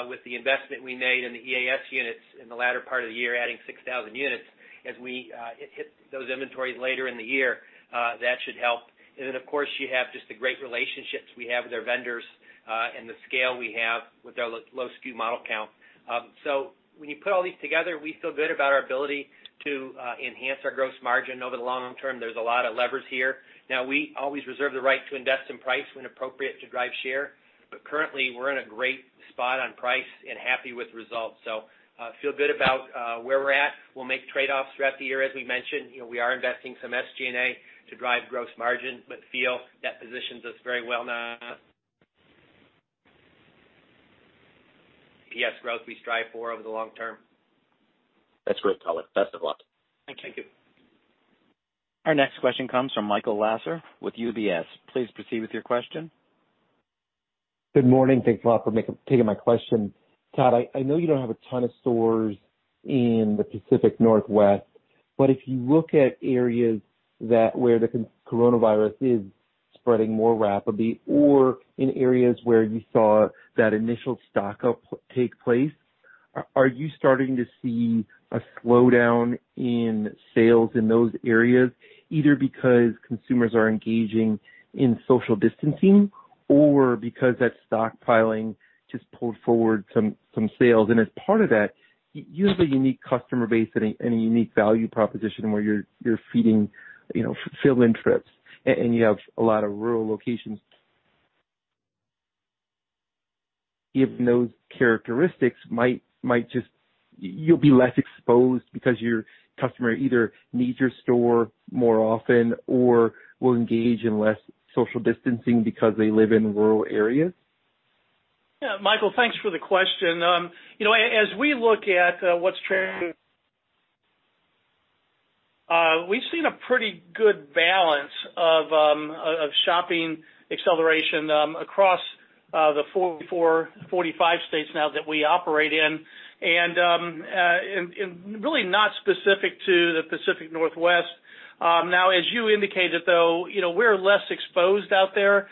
with the investment we made in the EAS units in the latter part of the year, adding 6,000 units, as we hit those inventories later in the year, that should help. Of course, you have just the great relationships we have with our vendors, and the scale we have with our low SKU model count. When you put all these together, we feel good about our ability to enhance our gross margin over the long term. There's a lot of levers here. We always reserve the right to invest in price when appropriate to drive share. Currently, we're in a great spot on price and happy with results. Feel good about where we're at. We'll make trade-offs throughout the year, as we mentioned. We are investing some SG&A to drive gross margin, but feel that positions us very well, EPS growth we strive for over the long term. That's great color. Best of luck. Thank you. Thank you. Our next question comes from Michael Lasser with UBS. Please proceed with your question. Good morning. Thanks a lot for taking my question. Todd, I know you don't have a ton of stores in the Pacific Northwest, but if you look at areas where the coronavirus is spreading more rapidly or in areas where you saw that initial stock-up take place, are you starting to see a slowdown in sales in those areas, either because consumers are engaging in social distancing or because that stockpiling just pulled forward some sales? As part of that, you have a unique customer base and a unique value proposition where you're feeding fill-in trips, and you have a lot of rural locations. Given those characteristics, you'll be less exposed because your customer either needs your store more often or will engage in less social distancing because they live in rural areas. Michael, thanks for the question. As we look at what's trending, we've seen a pretty good balance of shopping acceleration across the 44, 45 states now that we operate in, really not specific to the Pacific Northwest. As you indicated, though, we're less exposed out there,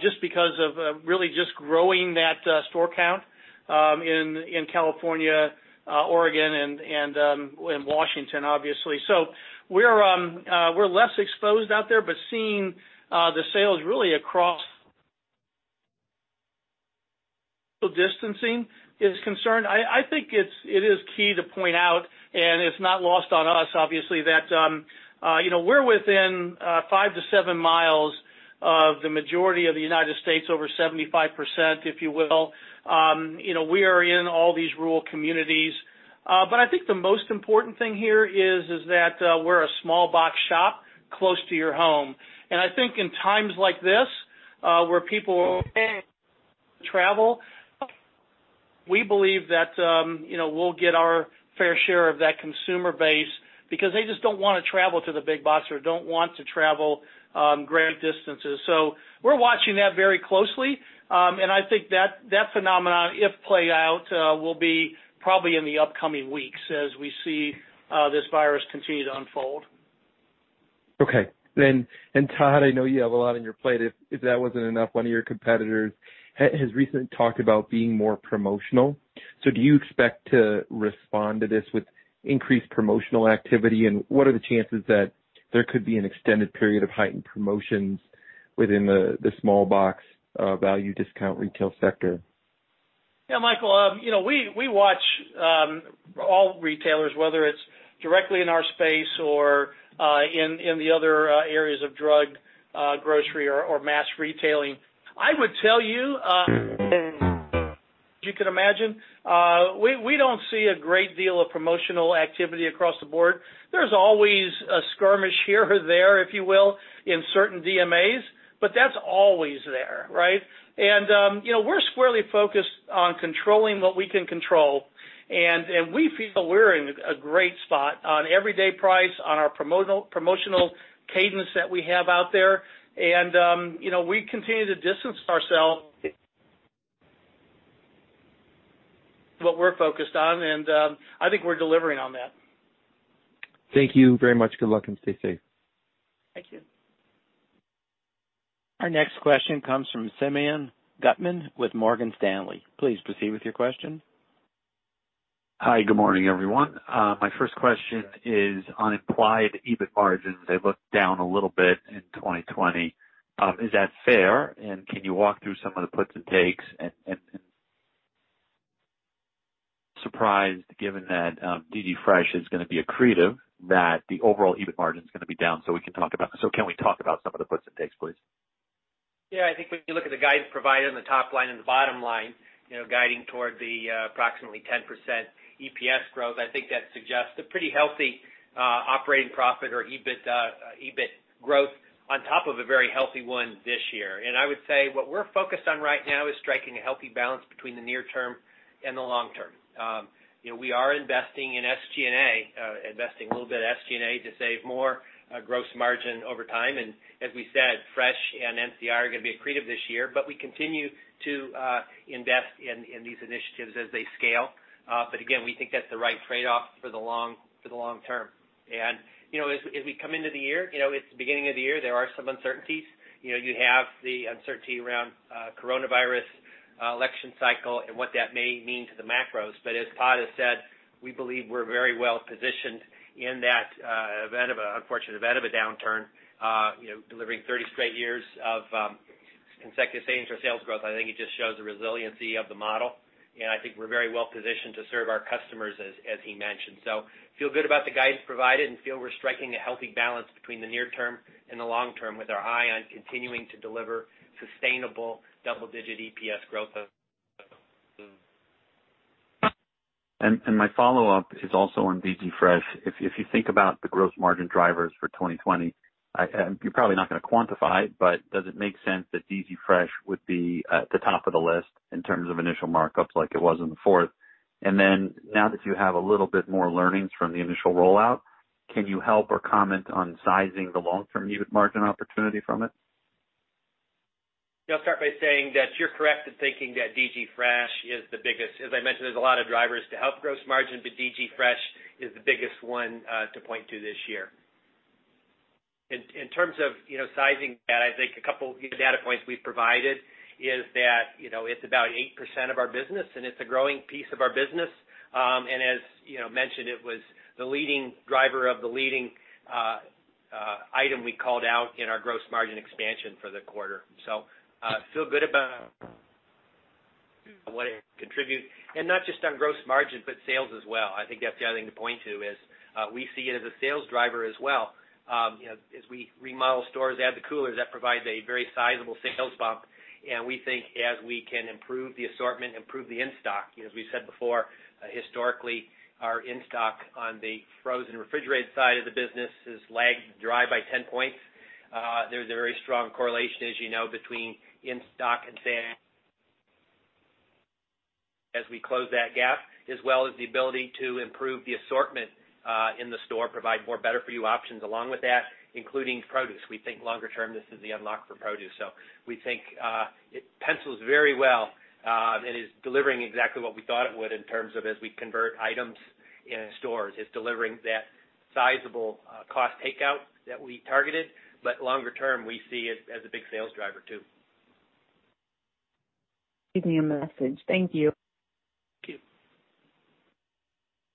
just because of really just growing that store count, in California, Oregon, and Washington, obviously. We're less exposed out there, seeing the sales really across social distancing is concerned, I think it is key to point out, and it's not lost on us, obviously, that we're within five to seven miles of the majority of the United States, over 75%, if you will. We are in all these rural communities. I think the most important thing here is that we're a small box shop close to your home. I think in times like this, where people travel, we believe that we'll get our fair share of that consumer base because they just don't want to travel to the big box or don't want to travel great distances. We're watching that very closely. I think that phenomenon, if play out, will be probably in the upcoming weeks as we see this virus continue to unfold. Todd, I know you have a lot on your plate. If that wasn't enough, one of your competitors has recently talked about being more promotional. Do you expect to respond to this with increased promotional activity? What are the chances that there could be an extended period of heightened promotions within the small box value discount retail sector? Yeah, Michael, we watch all retailers, whether it's directly in our space or in the other areas of drug. Grocery or mass retailing. I would tell you, as you can imagine, we don't see a great deal of promotional activity across the board. There's always a skirmish here or there, if you will, in certain DMAs, that's always there, right? We're squarely focused on controlling what we can control, and we feel we're in a great spot on everyday price, on our promotional cadence that we have out there. We continue to distance ourselves. That's what we're focused on, and I think we're delivering on that. Thank you very much. Good luck and stay safe. Thank you. Our next question comes from Simeon Gutman with Morgan Stanley. Please proceed with your question. Hi. Good morning, everyone. My first question is on implied EBIT margins. They look down a little bit in 2020. Is that fair? Can you walk through some of the puts and takes and, surprised, given that DG Fresh is going to be accretive, that the overall EBIT margin is going to be down. Can we talk about some of the puts and takes, please? Yeah, I think when you look at the guidance provided on the top line and the bottom line, guiding toward the approximately 10% EPS growth, I think that suggests a pretty healthy operating profit or EBIT growth on top of a very healthy one this year. I would say what we're focused on right now is striking a healthy balance between the near term and the long term. We are investing in SG&A, investing a little bit of SG&A to save more gross margin over time. As we said, Fresh and NCI are going to be accretive this year, but we continue to invest in these initiatives as they scale. Again, we think that's the right trade-off for the long term. As we come into the year, it's the beginning of the year, there are some uncertainties. You have the uncertainty around coronavirus, election cycle, and what that may mean to the macros. As Todd has said, we believe we're very well positioned in that unfortunate event of a downturn, delivering 30 straight years of consecutive same-store sales growth. I think it just shows the resiliency of the model, and I think we're very well positioned to serve our customers, as he mentioned. Feel good about the guidance provided and feel we're striking a healthy balance between the near term and the long term with our eye on continuing to deliver sustainable double-digit EPS growth. My follow-up is also on DG Fresh. If you think about the gross margin drivers for 2020, you're probably not going to quantify it, but does it make sense that DG Fresh would be at the top of the list in terms of initial markups like it was in the fourth? Now that you have a little bit more learnings from the initial rollout, can you help or comment on sizing the long term EBIT margin opportunity from it? I'll start by saying that you're correct in thinking that DG Fresh is the biggest. As I mentioned, there's a lot of drivers to help gross margin, but DG Fresh is the biggest one to point to this year. In terms of sizing that, I think a couple data points we've provided is that it's about 8% of our business and it's a growing piece of our business. As mentioned, it was the leading driver of the leading item we called out in our gross margin expansion for the quarter. Feel good about what it contributes. Not just on gross margin, but sales as well. I think that's the other thing to point to is we see it as a sales driver as well. As we remodel stores, add the coolers, that provides a very sizable sales bump. We think as we can improve the assortment, improve the in-stock, as we've said before, historically, our in-stock on the frozen refrigerated side of the business has lagged dry by 10 points. There's a very strong correlation, as you know, between in-stock and as we close that gap, as well as the ability to improve the assortment in the store, provide more Better For You options along with that, including produce. We think longer term; this is the unlock for produce. We think it pencils very well and is delivering exactly what we thought it would in terms of as we convert items in stores. It's delivering that sizable cost takeout that we targeted. Longer term, we see it as a big sales driver too. Leave me a message. Thank you. Thank you.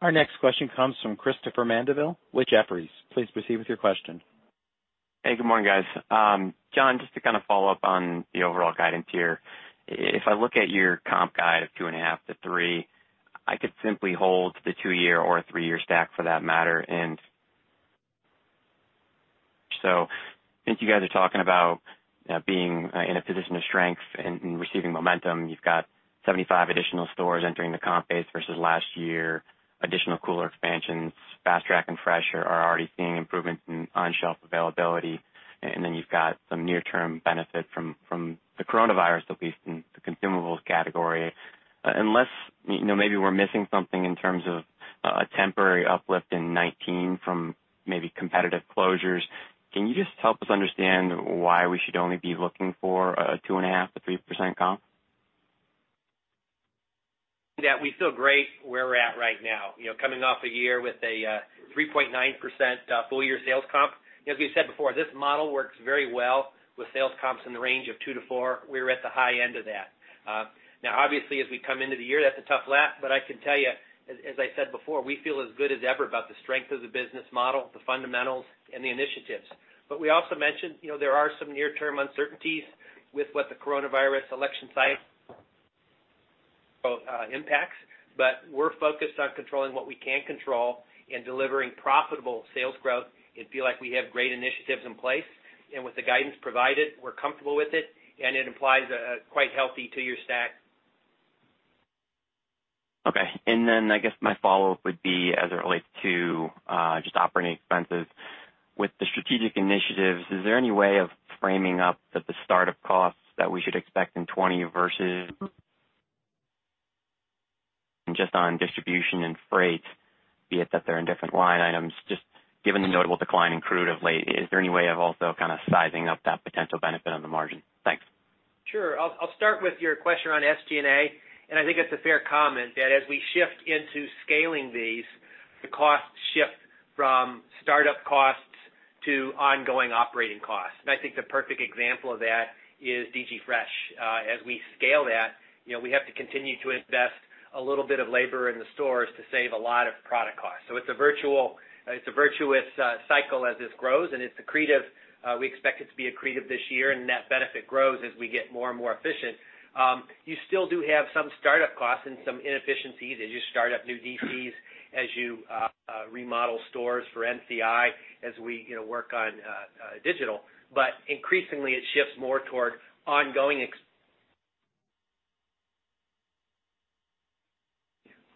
Our next question comes from Christopher Mandeville with Jefferies. Please proceed with your question. Hey, good morning, guys. John, just to kind of follow up on the overall guidance here. If I look at your comp guide of 2.5% to 3%, I could simply hold the two-year or three-year stack for that matter. I think you guys are talking about being in a position of strength and receiving momentum. You've got 75 additional stores entering the comp base versus last year, additional cooler expansions, Fast Track and Fresh are already seeing improvements in on-shelf availability. Then you've got some near term benefit from the coronavirus, at least in the consumables category. Unless maybe we're missing something in terms of a temporary uplift in 2019 from maybe competitive closures. Can you just help us understand why we should only be looking for a 2.5% to 3% comp? We feel great where we're at right now. Coming off a year with a 3.9% full year sales comp. As we said before, this model works very well with sales comps in the range of 2% to 4%. We're at the high end of that. Obviously, as we come into the year, that's a tough lap. I can tell you, as I said before, we feel as good as ever about the strength of the business model, the fundamentals, and the initiatives. We also mentioned, there are some near-term uncertainties with what the Coronavirus, election cycle. Both impacts, We're focused on controlling what we can control and delivering profitable sales growth and feel like we have great initiatives in place. With the guidance provided, we're comfortable with it, and it implies a quite healthy two-year stack. Okay. I guess my follow-up would be as it relates to just operating expenses. With the strategic initiatives, is there any way of framing up the start of costs that we should expect in 2020 versus just on distribution and freight, be it that they're in different line items, just given the notable decline in crude of late, is there any way of also kind of sizing up that potential benefit on the margin? Thanks. Sure. I'll start with your question on SG&A. I think it's a fair comment that as we shift into scaling these, the costs shift from startup costs to ongoing operating costs. I think the perfect example of that is DG Fresh. As we scale that, we have to continue to invest a little bit of labor in the stores to save a lot of product costs. It's a virtuous cycle as this grows, and it's accretive. We expect it to be accretive this year, and net benefit grows as we get more and more efficient. You still do have some startup costs and some inefficiencies as you start up new DCs, as you remodel stores for NCI, as we work on digital. Increasingly, it shifts more toward ongoing ex-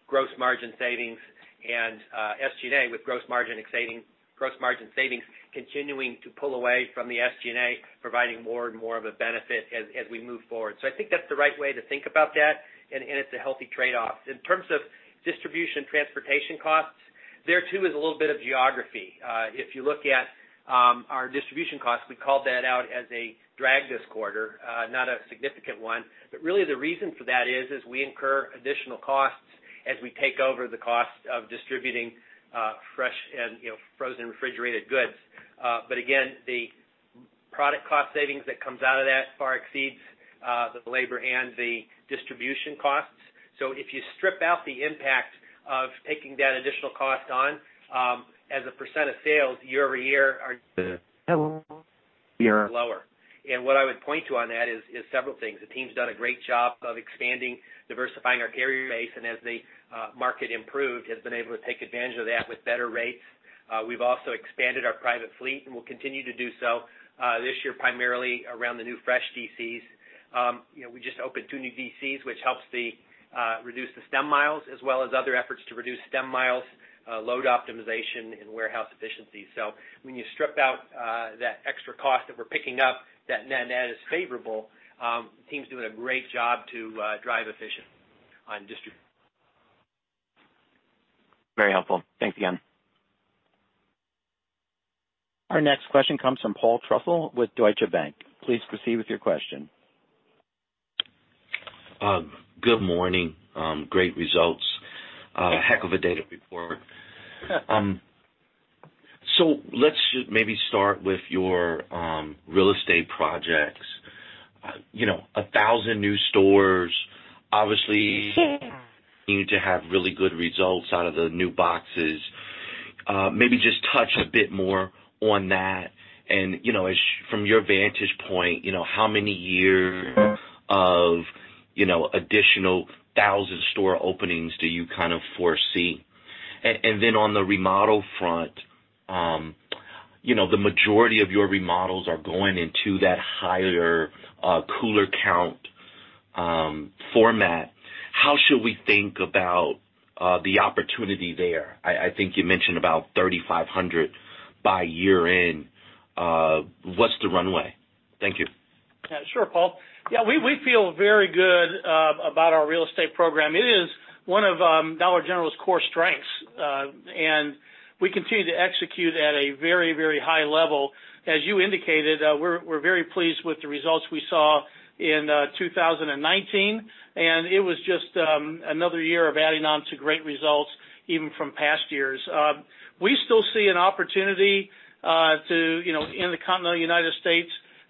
gross margin savings and SG&A with gross margin savings continuing to pull away from the SG&A, providing more and more of a benefit as we move forward. I think that's the right way to think about that, and it's a healthy trade-off. In terms of distribution transportation costs, there too is a little bit of geography. If you look at our distribution costs, we called that out as a drag this quarter, not a significant one. Really the reason for that is, we incur additional costs as we take over the cost of distributing fresh and frozen refrigerated goods. Again, the product cost savings that comes out of that far exceeds the labor and the distribution costs. If you strip out the impact of taking that additional cost on, as a % of sales year-over-year are lower. What I would point to on that is several things. The team's done a great job of expanding, diversifying our carrier base, and as the market improved, has been able to take advantage of that with better rates. We've also expanded our private fleet, and we'll continue to do so this year, primarily around the new fresh DCs. We just opened two new DCs, which helps reduce the stem miles as well as other efforts to reduce stem miles, load optimization and warehouse efficiency. When you strip out that extra cost that we're picking up, net is favorable. The team's doing a great job to drive efficient on distribution. Very helpful. Thanks again. Our next question comes from Paul Trussell with Deutsche Bank. Please proceed with your question. Good morning. Great results. Heck of a data report. Let's maybe start with your real estate projects. 1,000 new stores obviously to have really good results out of the new boxes. Maybe just touch a bit more on that and from your vantage point, how many years of additional 1,000 store openings do you kind of foresee? On the remodel front, the majority of your remodels are going into that higher cooler count format. How should we think about the opportunity there? I think you mentioned about 3,500 by year-end. What's the runway? Thank you. Sure, Paul. Yeah, we feel very good about our real estate program. It is one of Dollar General's core strengths, and we continue to execute at a very high level. As you indicated, we're very pleased with the results we saw in 2019, and it was just another year of adding on to great results even from past years. We still see an opportunity in the continental U.S.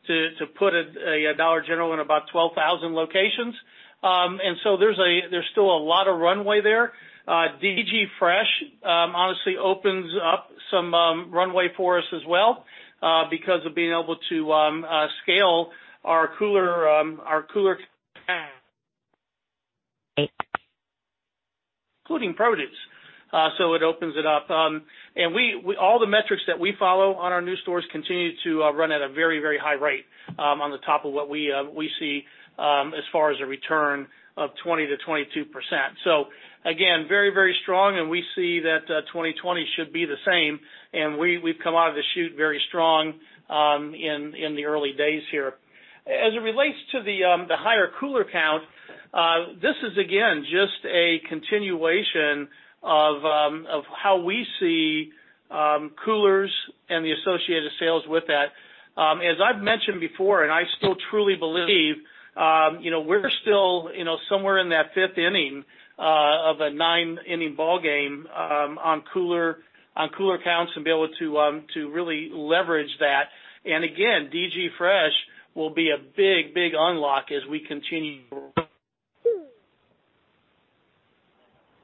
to put a Dollar General in about 12,000 locations. There's still a lot of runway there. DG Fresh honestly opens up some runway for us as well because of being able to scale our cooler including produce. It opens it up. All the metrics that we follow on our new stores continue to run at a very high rate on the top of what we see as far as a return of 20%-22%. Again, very strong, and we see that 2020 should be the same, and we've come out of the chute very strong in the early days here. As it relates to the higher cooler count, this is again, just a continuation of how we see coolers and the associated sales with that. As I've mentioned before, and I still truly believe we're still somewhere in that fifth inning of a nine-inning ballgame on cooler counts and be able to really leverage that. And again, DG Fresh will be a big unlock as we continue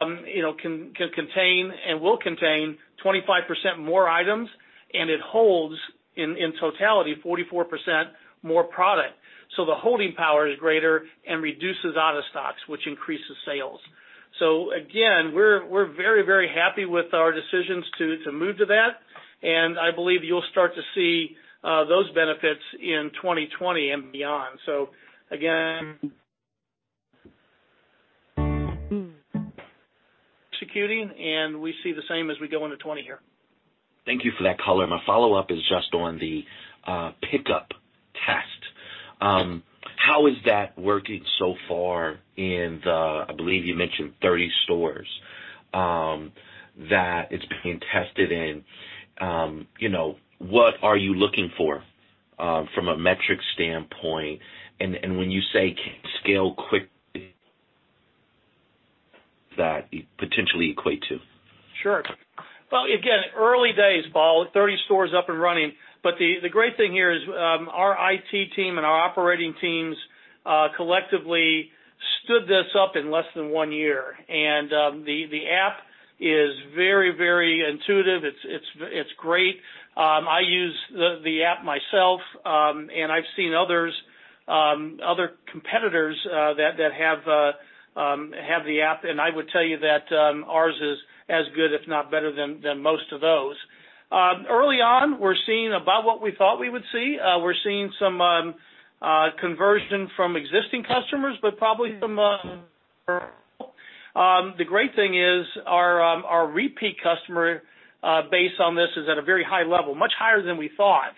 Can contain and will contain 25% more items, it holds, in totality, 44% more product. The holding power is greater and reduces out-of-stocks, which increases sales. Again, we're very happy with our decisions to move to that, and I believe you'll start to see those benefits in 2020 and beyond. Again, executing, and we see the same as we go into 2020 here. Thank you for that color. My follow-up is just on the pickup test. How is that working so far in the, I believe you mentioned 30 stores that it's being tested in? What are you looking for from a metrics standpoint, and when you say scale quickly, that potentially equate to? Sure. Well, again, early days, Paul. 30 stores up and running. The great thing here is our IT team, and our operating teams collectively stood this up in less than one year. The app is very intuitive. It's great. I use the app myself; I've seen other competitors that have the app, and I would tell you that ours is as good, if not better than most of those. Early on, we're seeing about what we thought we would see. We're seeing some conversion from existing customers. The great thing is our repeat customer base on this is at a very high level, much higher than we thought.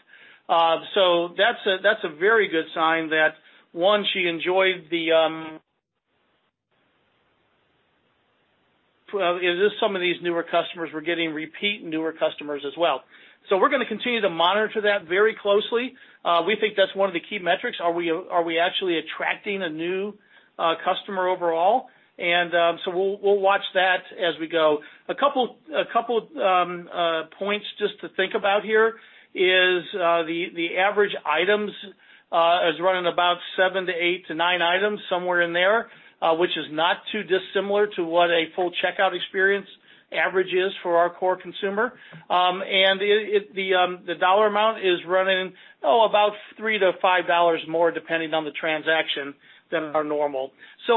That's a very good sign that, one, she enjoyed well, some of these newer customers were getting repeat newer customers as well. We're going to continue to monitor that very closely. We think that's one of the key metrics. Are we actually attracting a new customer overall? We'll watch that as we go. A couple points just to think about here is the average items is running about seven to eight to nine items, somewhere in there, which is not too dissimilar to what a full checkout experience average is for our core consumer. The dollar amount is running, oh, about $3 to $5 more, depending on the transaction, than our normal.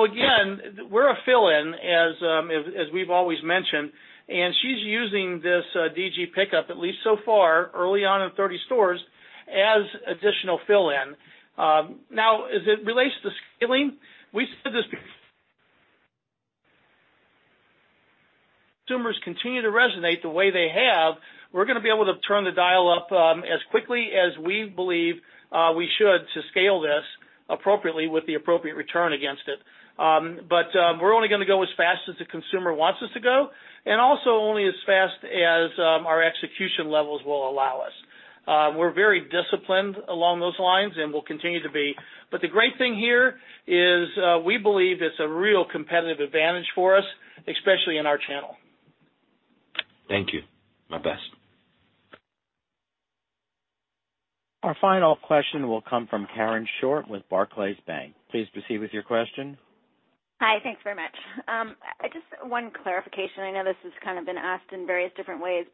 Again, we're a fill-in, as we've always mentioned, and she's using this DG Pickup, at least so far, early on in 30 stores, as additional fill-in. Now, as it relates to scaling, we said this. Consumers continue to resonate the way they have; we're going to be able to turn the dial up as quickly as we believe we should to scale this appropriately with the appropriate return against it. We're only going to go as fast as the consumer wants us to go, and also only as fast as our execution levels will allow us. We're very disciplined along those lines and will continue to be. The great thing here is we believe it's a real competitive advantage for us, especially in our channel. Thank you. My best. Our final question will come from Karen Short with Barclays Bank. Please proceed with your question. Hi. Thanks very much. Just one clarification. I know this has kind of been asked in various different ways,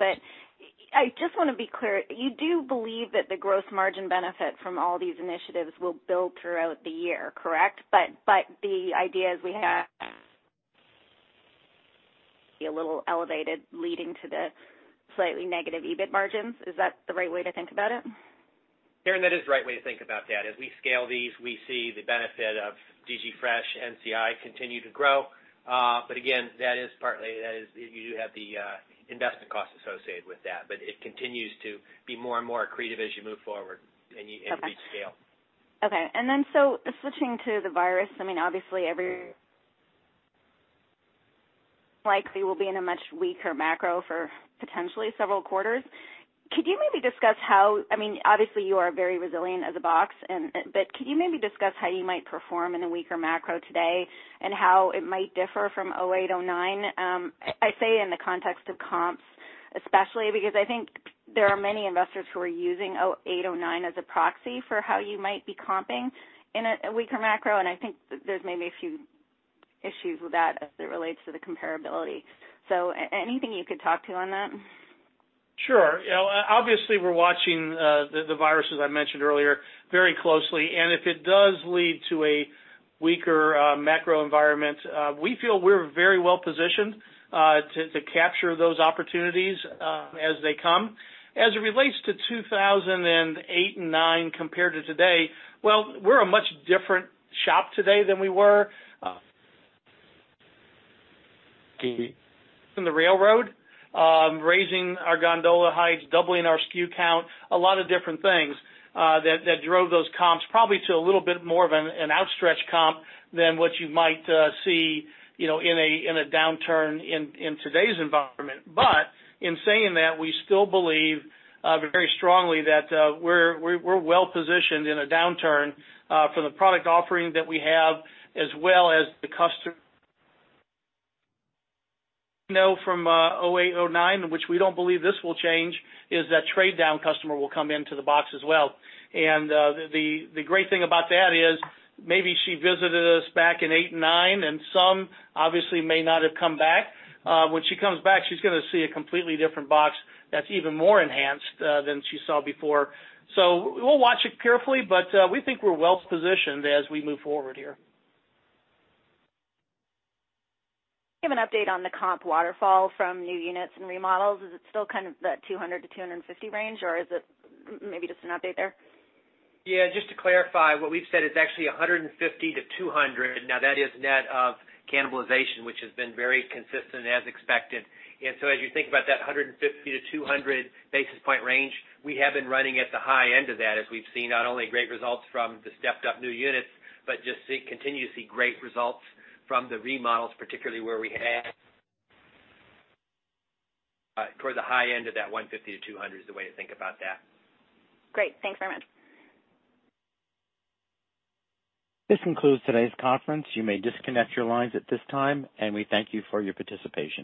I just want to be clear. You do believe that the gross margin benefit from all these initiatives will build throughout the year, correct? The idea is we have be a little elevated, leading to the slightly negative EBIT margins. Is that the right way to think about it? Karen, that is the right way to think about that. As we scale these, we see the benefit of DG Fresh, NCI continue to grow. Again, that is partly the investment cost associated with that. It continues to be more and more accretive as you move forward. Okay reach scale. Okay. Switching to the virus, obviously very likely we'll be in a much weaker macro for potentially several quarters. Could you maybe discuss how, obviously you are very resilient as a box, but could you maybe discuss how you might perform in a weaker macro today and how it might differ from 2008, 2009? I say in the context of comps, especially because I think there are many investors who are using 2008, 2009 as a proxy for how you might be comping in a weaker macro, and I think there's maybe a few issues with that as it relates to the comparability. Anything you could talk to on that? Sure. Obviously, we're watching the virus, as I mentioned earlier, very closely. If it does lead to a weaker macro environment, we feel we're very well-positioned to capture those opportunities as they come. As it relates to 2008 and 2009 compared to today, well, we're a much different shop today than we were. the railroad, raising our gondola heights, doubling our SKU count, a lot of different things that drove those comps probably to a little bit more of an outstretched comp than what you might see in a downturn in today's environment. In saying that, we still believe very strongly that we're well-positioned in a downturn for the product offering that we have as well as the customer. From 2008, 2009, which we don't believe this will change, is that trade-down customer will come into the box as well. The great thing about that is maybe she visited us back in 2008 and 2009, and some obviously may not have come back. When she comes back, she's going to see a completely different box that's even more enhanced than she saw before. We'll watch it carefully, but we think we're well-positioned as we move forward here. Give an update on the comp waterfall from new units and remodels. Is it still kind of that 200-250 range, or is it maybe just an update there? Yeah, just to clarify, what we've said is actually 150-200. That is net of cannibalization, which has been very consistent as expected. As you think about that 150-200 basis point range, we have been running at the high end of that as we've seen not only great results from the stepped-up new units but just continue to see great results from the remodels, particularly where we had toward the high end of that 150-200 is the way to think about that. Great. Thanks very much. This concludes today's conference. You may disconnect your lines at this time, and we thank you for your participation.